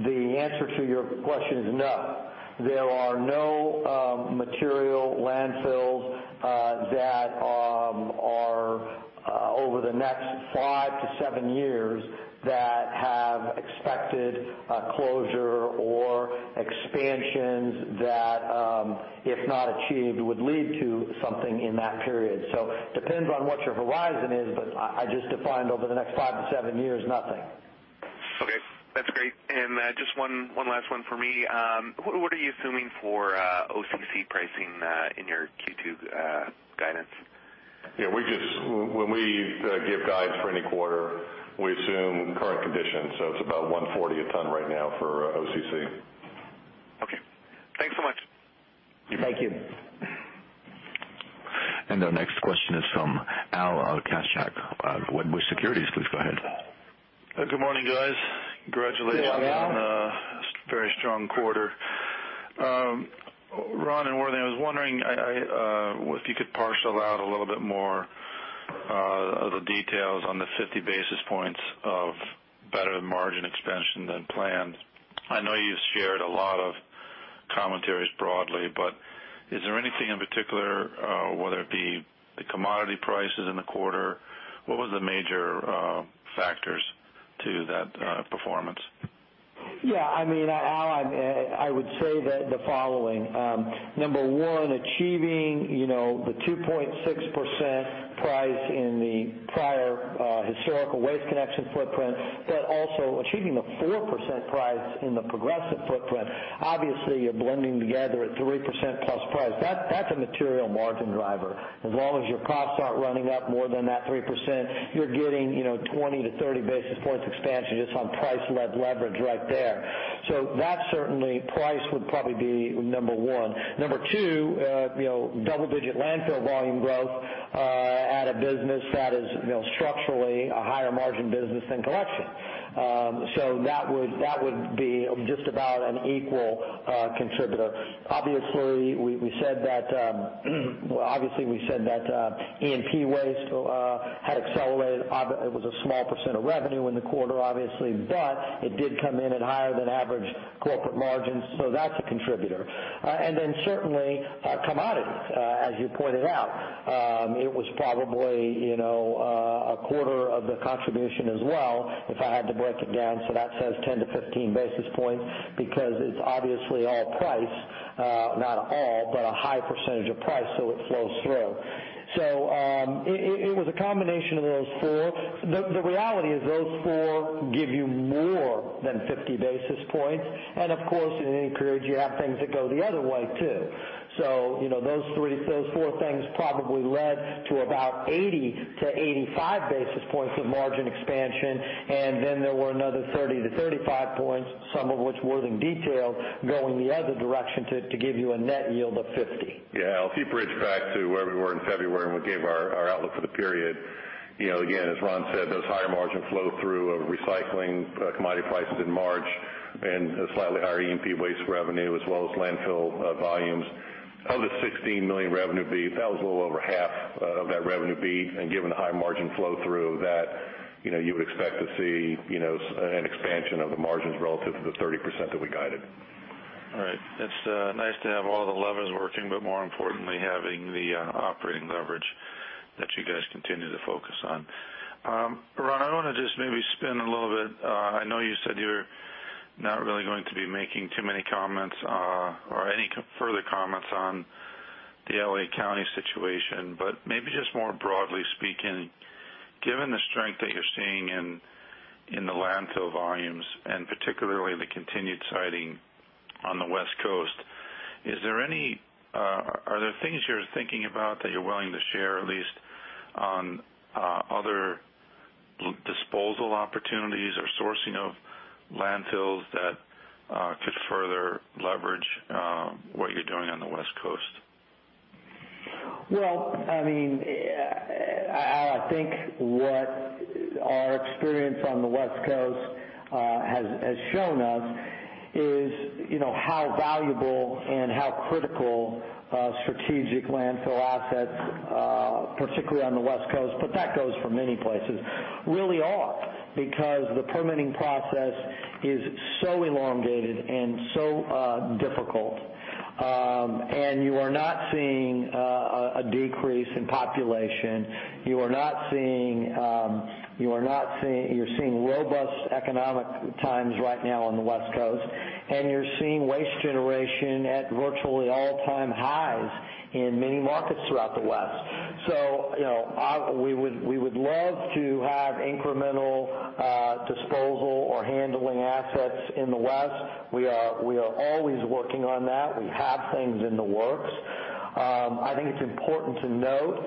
the answer to your question is no. There are no material landfills that are over the next five to seven years that have expected closure or expansions that, if not achieved, would lead to something in that period. Depends on what your horizon is, but I just defined over the next five to seven years, nothing. Okay, that's great. Just one last one from me. What are you assuming for OCC pricing in your Q2 guidance? When we give guidance for any quarter, we assume current conditions, so it's about $140 a ton right now for OCC. Okay. Thanks so much. Thank you. Our next question is from Al Kaschalk of Wedbush Securities. Please go ahead. Good morning, guys. Congratulations on a very strong quarter. Ron and Worthy, I was wondering if you could parcel out a little bit more of the details on the 50 basis points of better margin expansion than planned. I know you've shared a lot of commentaries broadly, is there anything in particular, whether it be the commodity prices in the quarter? What were the major factors to that performance? Al, I would say the following. Number one, achieving the 2.6% price in the prior historical Waste Connections footprint, also achieving the 4% price in the Progressive footprint. Obviously, you're blending together at 3% plus price. That's a material margin driver. As long as your costs aren't running up more than that 3%, you're getting 20 to 30 basis points expansion just on price leverage right there. That certainly, price would probably be number one. Number two, double-digit landfill volume growth at a business that is structurally a higher margin business than collection. That would be just about an equal contributor. Obviously, we said that E&P Waste had accelerated. It was a small % of revenue in the quarter, obviously, it did come in at higher than average corporate margins, that's a contributor. Certainly, commodities, as you pointed out. It was probably a quarter of the contribution as well, if I had to break it down. That says 10 to 15 basis points because it's obviously all price, not all, but a high % of price, it flows through. It was a combination of those four. The reality is those four give you more than 50 basis points, of course, in any quarter, you have things that go the other way, too. Those four things probably led to about 80 to 85 basis points of margin expansion, and then there were another 30 to 35 points, some of which were in detail, going the other direction to give you a net yield of 50. Al, if you bridge back to where we were in February when we gave our outlook for the period, again, as Ron said, those higher margin flow through of recycling commodity prices in March and slightly higher E&P Waste revenue as well as landfill volumes. Of the $16 million revenue fee, that was a little over half of that revenue fee, Given the high margin flow through of that, you would expect to see an expansion of the margins relative to the 30% that we guided. All right. It's nice to have all the levers working, but more importantly, having the operating leverage that you guys continue to focus on. Ron, I want to just maybe spin a little bit. I know you said you're not really going to be making too many comments or any further comments on the L.A. County situation. Maybe just more broadly speaking, given the strength that you're seeing in the landfill volumes, and particularly the continued siting on the West Coast, are there things you're thinking about that you're willing to share, at least on other disposal opportunities or sourcing of landfills that could further leverage what you're doing on the West Coast? Well, Al, I think what our experience on the West Coast has shown us is how valuable and how critical strategic landfill assets, particularly on the West Coast, but that goes for many places, really are, because the permitting process is so elongated and so difficult. You are not seeing a decrease in population. You're seeing robust economic times right now on the West Coast, and you're seeing waste generation at virtually all-time highs in many markets throughout the West. We would love to have incremental disposal or handling assets in the West. We are always working on that. We have things in the works. I think it's important to note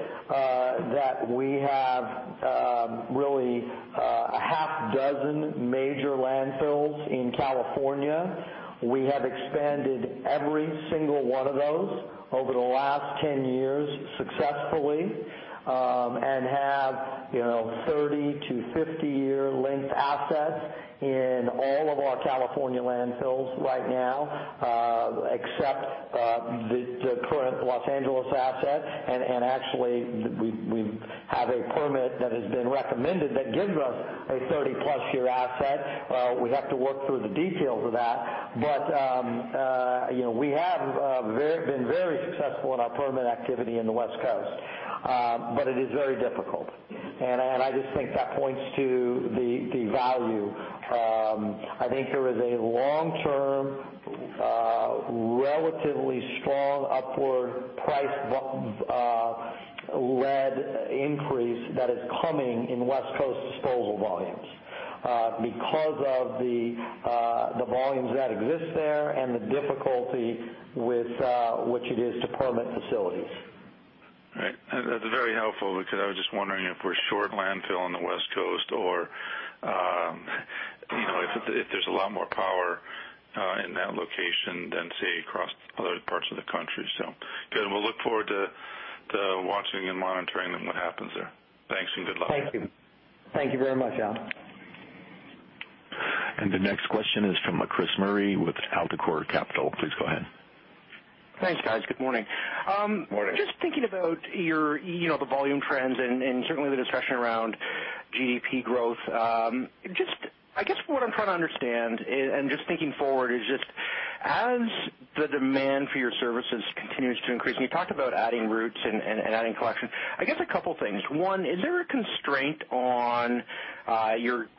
that we have really a half dozen major landfills in California. We have expanded every single one of those over the last 10 years successfully, and have 30-50-year length assets in all of our California landfills right now except the current L.A. asset. Actually, we have a permit that has been recommended that gives us a 30-plus year asset. We have to work through the details of that. We have been very successful in our permit activity in the West Coast. It is very difficult. I just think that points to the value. I think there is a long-term, relatively strong upward price-led increase that is coming in West Coast disposal volumes because of the volumes that exist there and the difficulty with which it is to permit facilities. Right. That's very helpful because I was just wondering if we're short landfill on the West Coast or if there's a lot more power in that location than, say, across other parts of the country. Good. We'll look forward to watching and monitoring what happens there. Thanks and good luck. Thank you. Thank you very much, Alan. The next question is from Chris Murray with AltaCorp Capital. Please go ahead. Thanks, guys. Good morning. Morning. Just thinking about the volume trends and certainly the discussion around GDP growth, I guess what I'm trying to understand, and just thinking forward is just as the demand for your services continues to increase, and you talked about adding routes and adding collection, I guess a couple things. One, is there a constraint on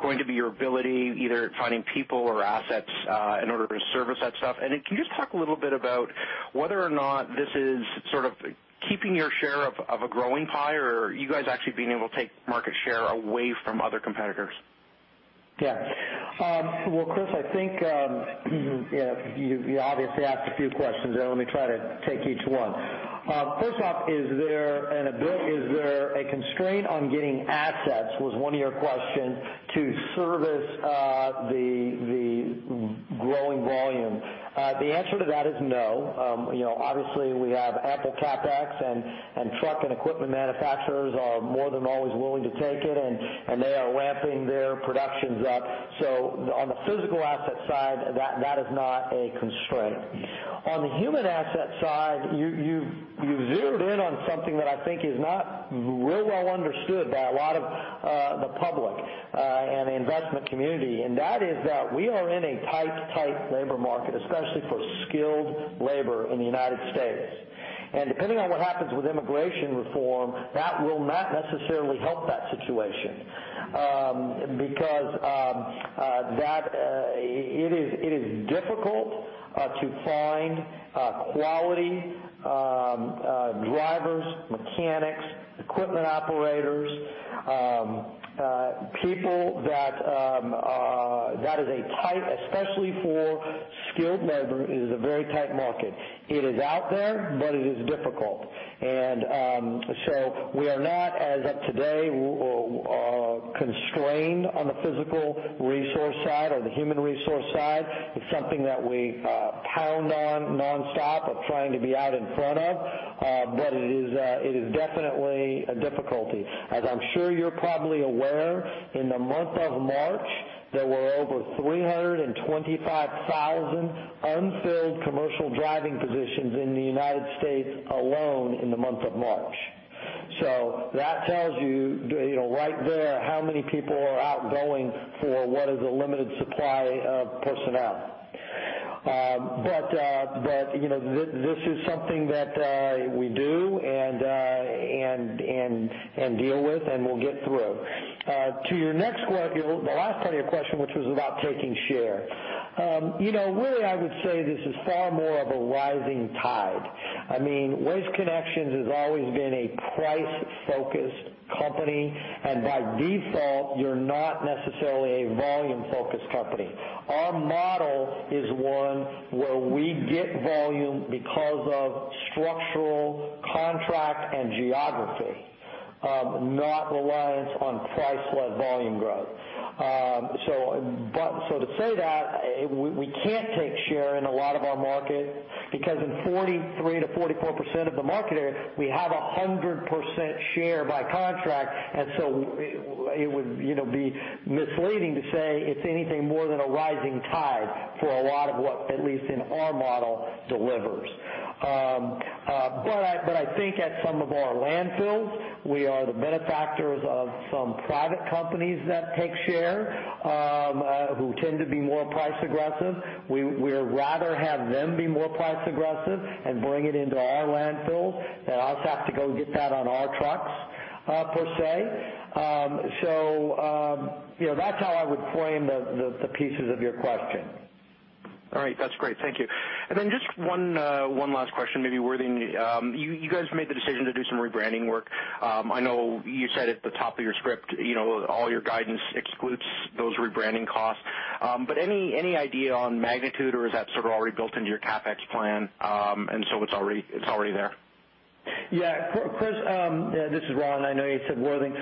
going to be your ability, either finding people or assets, in order to service that stuff? Can you just talk a little bit about whether or not this is sort of keeping your share of a growing pie, or are you guys actually being able to take market share away from other competitors? Well, Chris, I think, you obviously asked a few questions there. Let me try to take each one. First off, is there a constraint on getting assets, was one of your questions, to service the growing volume? The answer to that is no. Obviously, we have ample CapEx, truck and equipment manufacturers are more than always willing to take it, and they are ramping their productions up. On the physical asset side, that is not a constraint. On the human asset side, you zeroed in on something that I think is not real well understood by a lot of the public and the investment community, and that is that we are in a tight labor market, especially for skilled labor in the U.S. Depending on what happens with immigration reform, that will not necessarily help that situation, because it is difficult to find quality drivers, mechanics, equipment operators. That is a tight, especially for skilled labor, it is a very tight market. It is out there, but it is difficult. We are not, as of today, constrained on the physical resource side or the human resource side. It's something that we pound on nonstop of trying to be out in front of, but it is definitely a difficulty. As I'm sure you're probably aware, in the month of March, there were over 325,000 unfilled commercial driving positions in the U.S. alone in the month of March. That tells you right there, how many people are out going for what is a limited supply of personnel. This is something that we do and deal with, and we'll get through. To the last part of your question, which was about taking share. Really, I would say this is far more of a rising tide. Waste Connections has always been a price-focused company, by default, you're not necessarily a volume-focused company. Our model is one where we get volume because of structural contract and geography, not reliance on price-led volume growth. To say that, we can't take share in a lot of our market because in 43%-44% of the market area, we have 100% share by contract, it would be misleading to say it's anything more than a rising tide for a lot of what, at least in our model, delivers. I think at some of our landfills, we are the benefactors of some private companies that take share, who tend to be more price-aggressive. We rather have them be more price-aggressive and bring it into our landfills than us have to go get that on our trucks, per se. That's how I would frame the pieces of your question. All right. That's great. Thank you. Just one last question, maybe Worthing. You guys made the decision to do some rebranding work. I know you said at the top of your script, all your guidance excludes those rebranding costs. Any idea on magnitude, or is that sort of already built into your CapEx plan, so it's already there? Yeah. Chris, this is Ron. I know you said Worthing.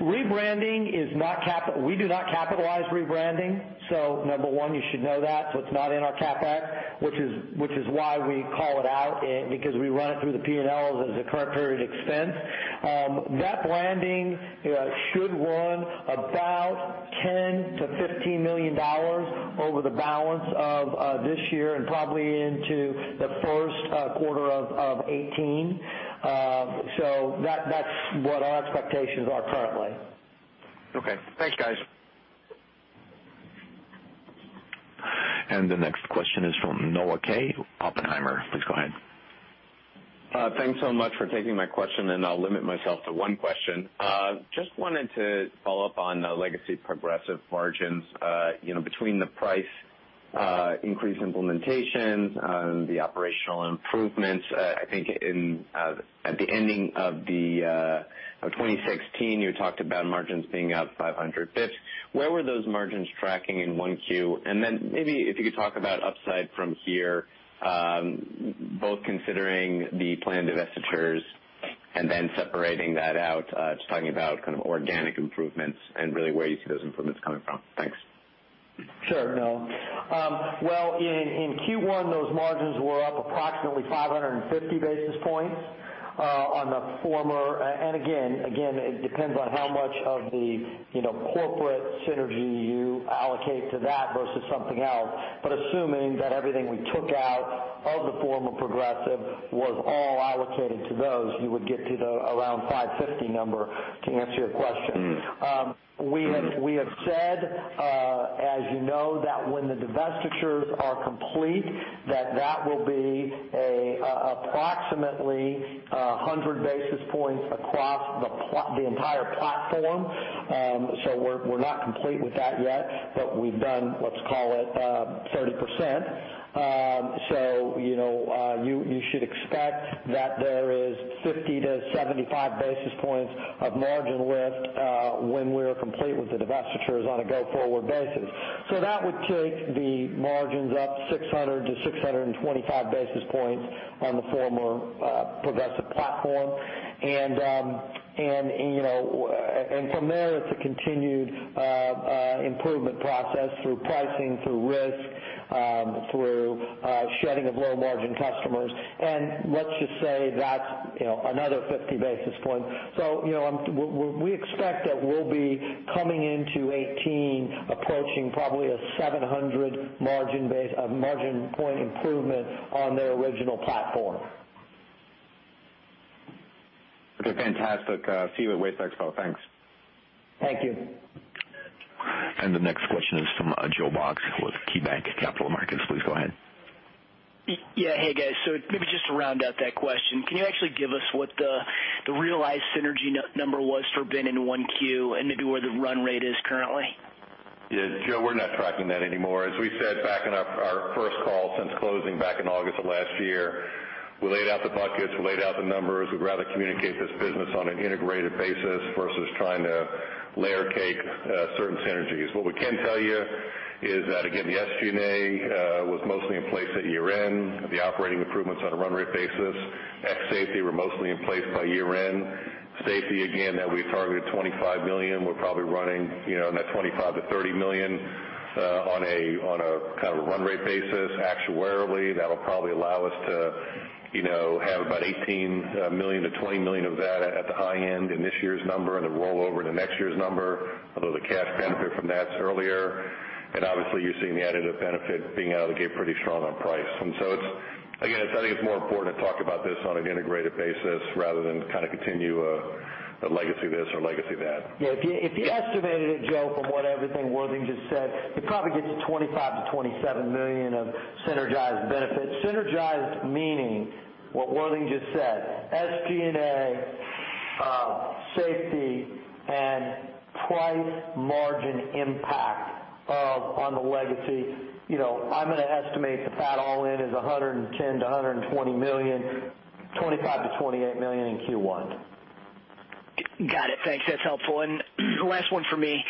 Rebranding, we do not capitalize rebranding. Number one, you should know that. It's not in our CapEx, which is why we call it out, because we run it through the P&L as a current period expense. That branding should run about $15 million over the balance of this year and probably into the first quarter of 2018. That's what our expectations are currently. Okay. Thanks, guys. The next question is from Noah Kaye, Oppenheimer. Please go ahead. Thanks so much for taking my question, I'll limit myself to one question. Just wanted to follow up on the legacy Progressive margins. Between the price increase implementation and the operational improvements, I think at the ending of 2016, you talked about margins being up 500 basis points. Where were those margins tracking in 1Q? Then maybe if you could talk about upside from here, both considering the planned divestitures and then separating that out, just talking about organic improvements and really where you see those improvements coming from. Thanks. Sure, Noah. Well, in Q1, those margins were up approximately 550 basis points on the former. Again, it depends on how much of the corporate synergy you allocate to that versus something else. Assuming that everything we took out of the former Progressive was all allocated to those, you would get to the around 550 number, to answer your question. We have said, as you know, that when the divestitures are complete, that that will be approximately 100 basis points across the entire platform. We're not complete with that yet, but we've done, let's call it, 30%. You should expect that there is 50 to 75 basis points of margin lift when we're complete with the divestitures on a go-forward basis. That would take the margins up 600 to 625 basis points on the former Progressive platform. From there, it's a continued improvement process through pricing, through risk, through shedding of low-margin customers. Let's just say that's another 50 basis points. We expect that we'll be coming into 2018 approaching probably a 700 margin point improvement on their original platform. Okay, fantastic. See you at WasteExpo. Thanks. Thank you. The next question is from Joe Box with KeyBanc Capital Markets. Please go ahead. Yeah. Hey, guys. Maybe just to round out that question, can you actually give us what the realized synergy number was for Bin in 1Q, and maybe where the run rate is currently? Yeah, Joe, we're not tracking that anymore. As we said back in our first call since closing back in August of last year, we laid out the buckets, we laid out the numbers. We'd rather communicate this business on an integrated basis versus trying to layer cake certain synergies. What we can tell you is that, again, the SG&A was mostly in place at year-end. The operating improvements on a run-rate basis at safety were mostly in place by year-end. Safety, again, that we targeted $25 million. We're probably running that $25 million-$30 million on a run-rate basis. Actuarially, that'll probably allow us to have about $18 million-$20 million of that at the high end in this year's number, and then roll over to next year's number. Although the cash benefit from that's earlier. Obviously, you're seeing the additive benefit being out of the gate pretty strong on price. Again, I think it's more important to talk about this on an integrated basis rather than continue a legacy this or legacy that. Yeah, if you estimated it, Joe, from what everything Worthington just said, it probably gets you $25 million-$27 million of synergized benefits. Synergized meaning what Worthington just said, SG&A, safety, and price margin impact on the legacy. I'm going to estimate the fat all in is $110 million-$120 million, $25 million-$28 million in Q1. Got it. Thanks. That's helpful. Last one from me.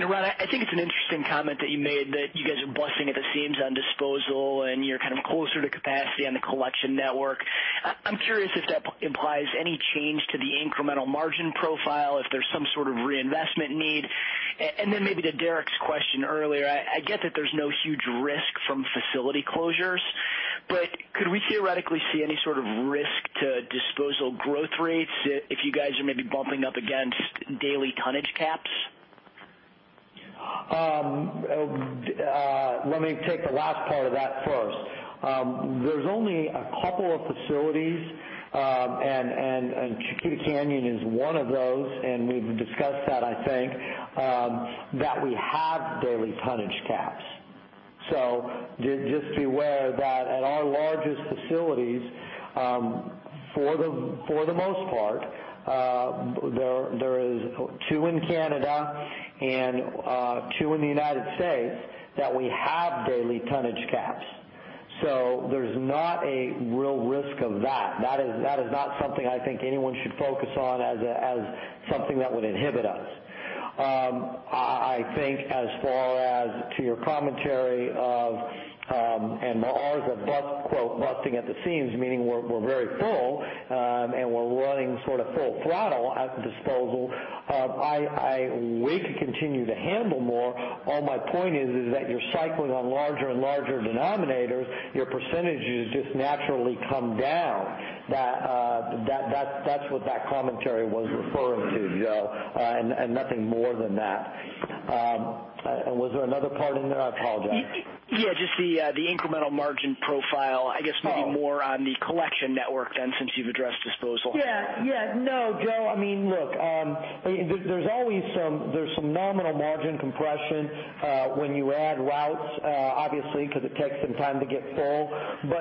Ron, I think it's an interesting comment that you made that you guys are busting at the seams on disposal, and you're closer to capacity on the collection network. I'm curious if that implies any change to the incremental margin profile, if there's some sort of reinvestment need. Then maybe to Derek's question earlier, I get that there's no huge risk from facility closures, but could we theoretically see any sort of risk to disposal growth rates if you guys are maybe bumping up against daily tonnage caps? Let me take the last part of that first. There's only a couple of facilities, Chiquita Canyon is one of those, and we've discussed that, I think, that we have daily tonnage caps. Just be aware that at our largest facilities, for the most part, there is two in Canada and two in the U.S. that we have daily tonnage caps. There's not a real risk of that. That is not something I think anyone should focus on as something that would inhibit us. I think as far as to your commentary of, and ours, of quote, "busting at the seams," meaning we're very full, and we're running full throttle at disposal, we could continue to handle more. All my point is that you're cycling on larger and larger denominators, your % just naturally come down. That's what that commentary was referring to. Joe, nothing more than that. Was there another part in there? I apologize. Yeah, just the incremental margin profile, I guess maybe more on the collection network then, since you've addressed disposal. Yeah. No, Joe, look, there's some nominal margin compression when you add routes, obviously, because it takes some time to get full.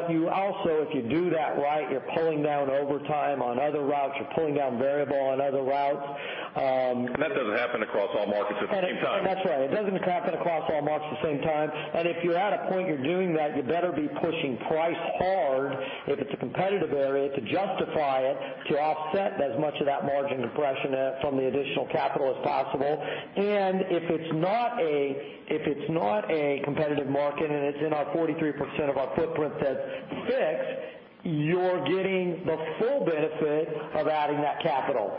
You also, if you do that right, you're pulling down overtime on other routes. You're pulling down variable on other routes. That doesn't happen across all markets at the same time. That's right. It doesn't happen across all markets at the same time. If you're at a point you're doing that, you better be pushing price hard, if it's a competitive area, to justify it, to offset as much of that margin compression from the additional capital as possible. If it's not a competitive market, and it's in our 43% of our footprint that's fixed, you're getting the full benefit of adding that capital.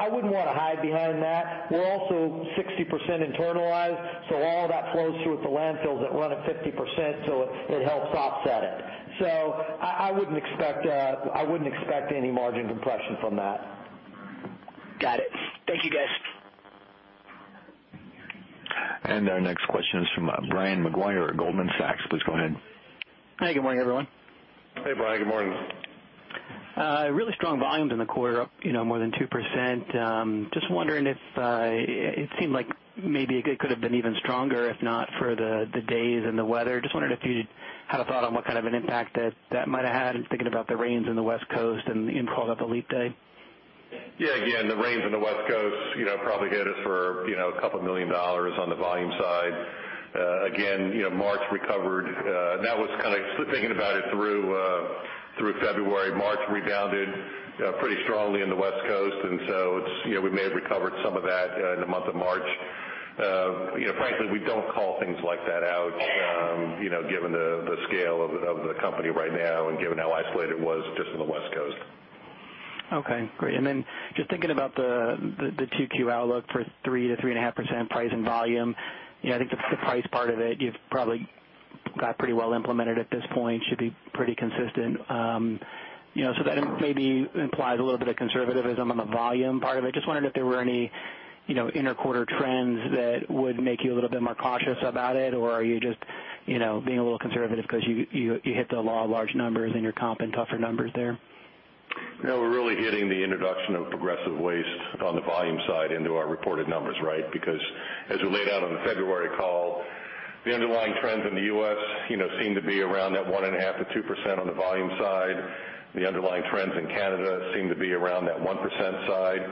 I wouldn't want to hide behind that. We're also 60% internalized, so all of that flows through at the landfills that run at 50%, so it helps offset it. I wouldn't expect any margin compression from that. Got it. Thank you, guys. Our next question is from Brian Maguire at Goldman Sachs. Please go ahead. Hey, good morning, everyone. Hey, Brian, good morning. Really strong volumes in the quarter, up more than 2%. Just wondering if It seemed like maybe it could have been even stronger if not for the days and the weather. Just wondering if you had a thought on what kind of an impact that might have had, and thinking about the rains in the West Coast and the impact of the leap day. Yeah. Again, the rains on the West Coast probably hit us for a couple million dollars on the volume side. Again, March recovered. Thinking about it through February, March rebounded pretty strongly in the West Coast, and so we may have recovered some of that in the month of March. Frankly, we don't call things like that out, given the scale of the company right now, and given how isolated it was just on the West Coast. Okay, great. Just thinking about the 2Q outlook for 3%-3.5% price and volume. I think the price part of it, you've probably got pretty well implemented at this point, should be pretty consistent. That maybe implies a little bit of conservativism on the volume part of it. Just wondering if there were any inter-quarter trends that would make you a little bit more cautious about it, or are you just being a little conservative because you hit the law of large numbers in your comp and tougher numbers there? No, we're really hitting the introduction of Progressive Waste on the volume side into our reported numbers, right? Because as we laid out on the February call, the underlying trends in the U.S. seem to be around that 1.5%-2% on the volume side. The underlying trends in Canada seem to be around that 1% side.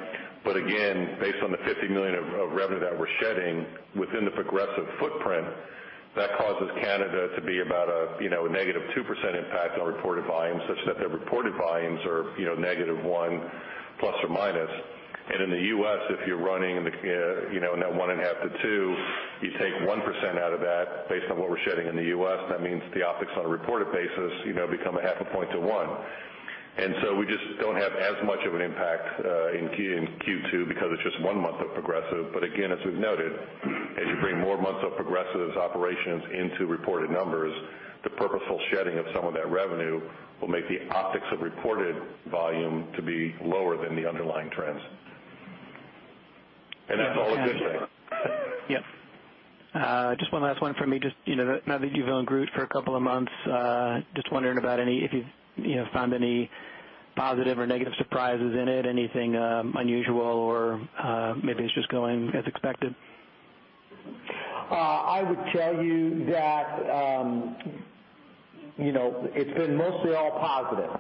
Again, based on the $50 million of revenue that we're shedding within the Progressive footprint, that causes Canada to be about a -2% impact on reported volumes, such that the reported volumes are -1% plus or minus. In the U.S., if you're running that 1.5%-2%, you take 1% out of that based on what we're shedding in the U.S., that means the optics on a reported basis become a 0.5 point to 1. We just don't have as much of an impact in Q2 because it's just one month of Progressive. Again, as we've noted, as you bring more months of Progressive's operations into reported numbers, the purposeful shedding of some of that revenue will make the optics of reported volume to be lower than the underlying trends. That's all a good thing. Yes. Just one last one from me. Just now that you've owned Groot for a couple of months, just wondering about if you've found any positive or negative surprises in it, anything unusual, or maybe it's just going as expected? I would tell you that it's been mostly all positive.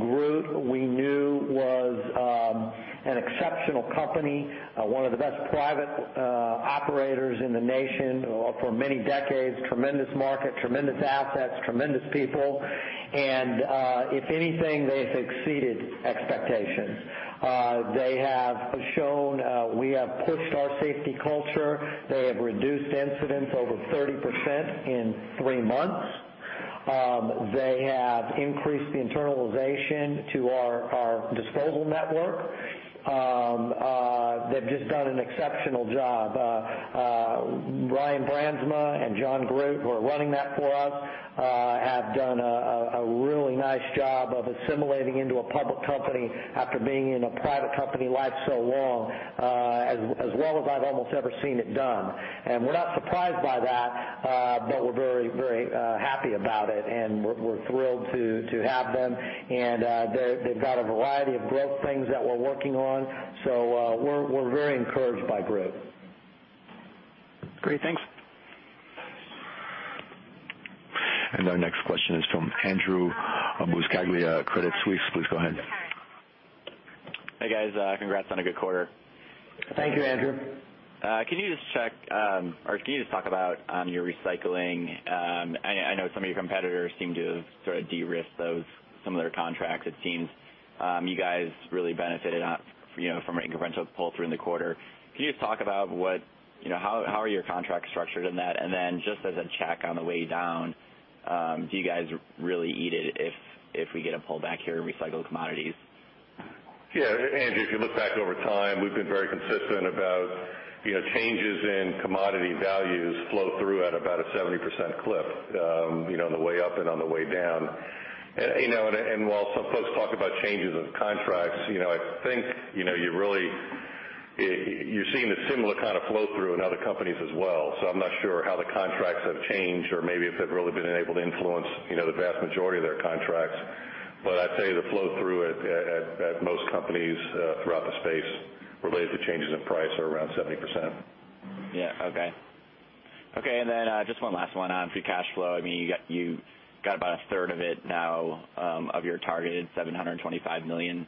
Groot, we knew, was an exceptional company, one of the best private operators in the nation for many decades, tremendous market, tremendous assets, tremendous people. If anything, they've exceeded expectations. They have shown we have pushed our safety culture. They have reduced incidents over 30% in three months. They have increased the internalization to our disposal network. They've just done an exceptional job. Ryan Brandsma and Jon Groot, who are running that for us, have done a really nice job of assimilating into a public company after being in a private company life so long, as well as I've almost ever seen it done. We're not surprised by that, but we're very happy about it, and we're thrilled to have them. They've got a variety of growth things that we're working on. We're very encouraged by Groot. Great. Thanks. Our next question is from Andrew Buscaglia, Credit Suisse. Please go ahead. Hey, guys. Congrats on a good quarter. Thank you, Andrew. Can you just talk about your recycling? I know some of your competitors seem to have sort of de-risked some of their contracts. It seems you guys really benefited from an incremental pull-through in the quarter. Can you just talk about how are your contracts structured in that? Then just as a check on the way down, do you guys really eat it if we get a pullback here in recycled commodities? Yeah, Andrew, if you look back over time, we've been very consistent about changes in commodity values flow through at about a 70% clip, on the way up and on the way down. While some folks talk about changes of contracts, I think you're seeing a similar kind of flow-through in other companies as well. I'm not sure how the contracts have changed or maybe if they've really been able to influence the vast majority of their contracts. I'd say the flow-through at most companies throughout the space related to changes in price are around 70%. Yeah. Okay. Okay, then just one last one on free cash flow. You got about a third of it now of your targeted $725 million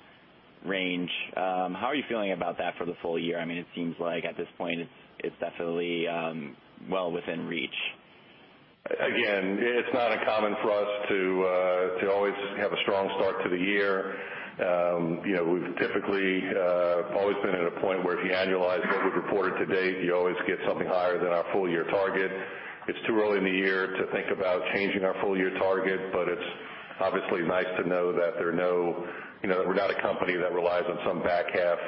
range. How are you feeling about that for the full year? It seems like at this point it's definitely well within reach. It's not uncommon for us to always have a strong start to the year. We've typically always been at a point where if you annualize what we've reported to date, you always get something higher than our full-year target. It's too early in the year to think about changing our full-year target, but it's obviously nice to know that we're not a company that relies on some back half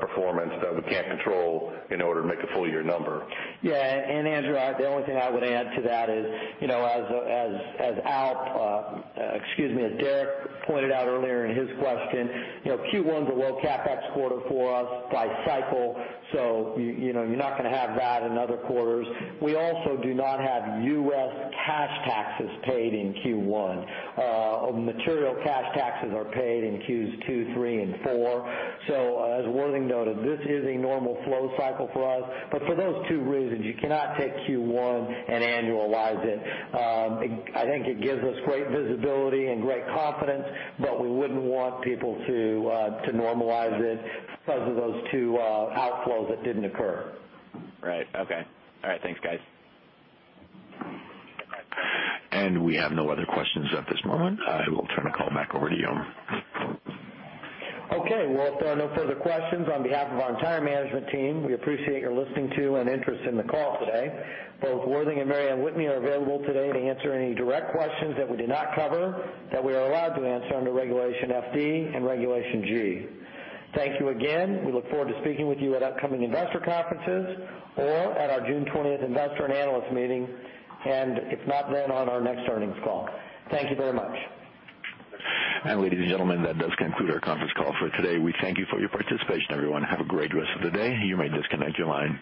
performance that we can't control in order to make a full year number. Yeah. Andrew, the only thing I would add to that is, as Derek pointed out earlier in his question, Q1's a low CapEx quarter for us by cycle, so you're not going to have that in other quarters. We also do not have U.S. cash taxes paid in Q1. Material cash taxes are paid in Qs 2, 3, and 4. As Worthing noted, this is a normal flow cycle for us. For those two reasons, you cannot take Q1 and annualize it. I think it gives us great visibility and great confidence, but we wouldn't want people to normalize it because of those two outflows that didn't occur. Right. Okay. All right. Thanks, guys. We have no other questions at this moment. I will turn the call back over to you. Okay. Well, if there are no further questions, on behalf of our entire management team, we appreciate your listening to and interest in the call today. Both Worthing and Mary Anne Whitney are available today to answer any direct questions that we did not cover that we are allowed to answer under Regulation FD and Regulation G. Thank you again. We look forward to speaking with you at upcoming investor conferences or at our June 20th investor and analyst meeting. If not then, on our next earnings call. Thank you very much. Ladies and gentlemen, that does conclude our conference call for today. We thank you for your participation, everyone. Have a great rest of the day. You may disconnect your lines.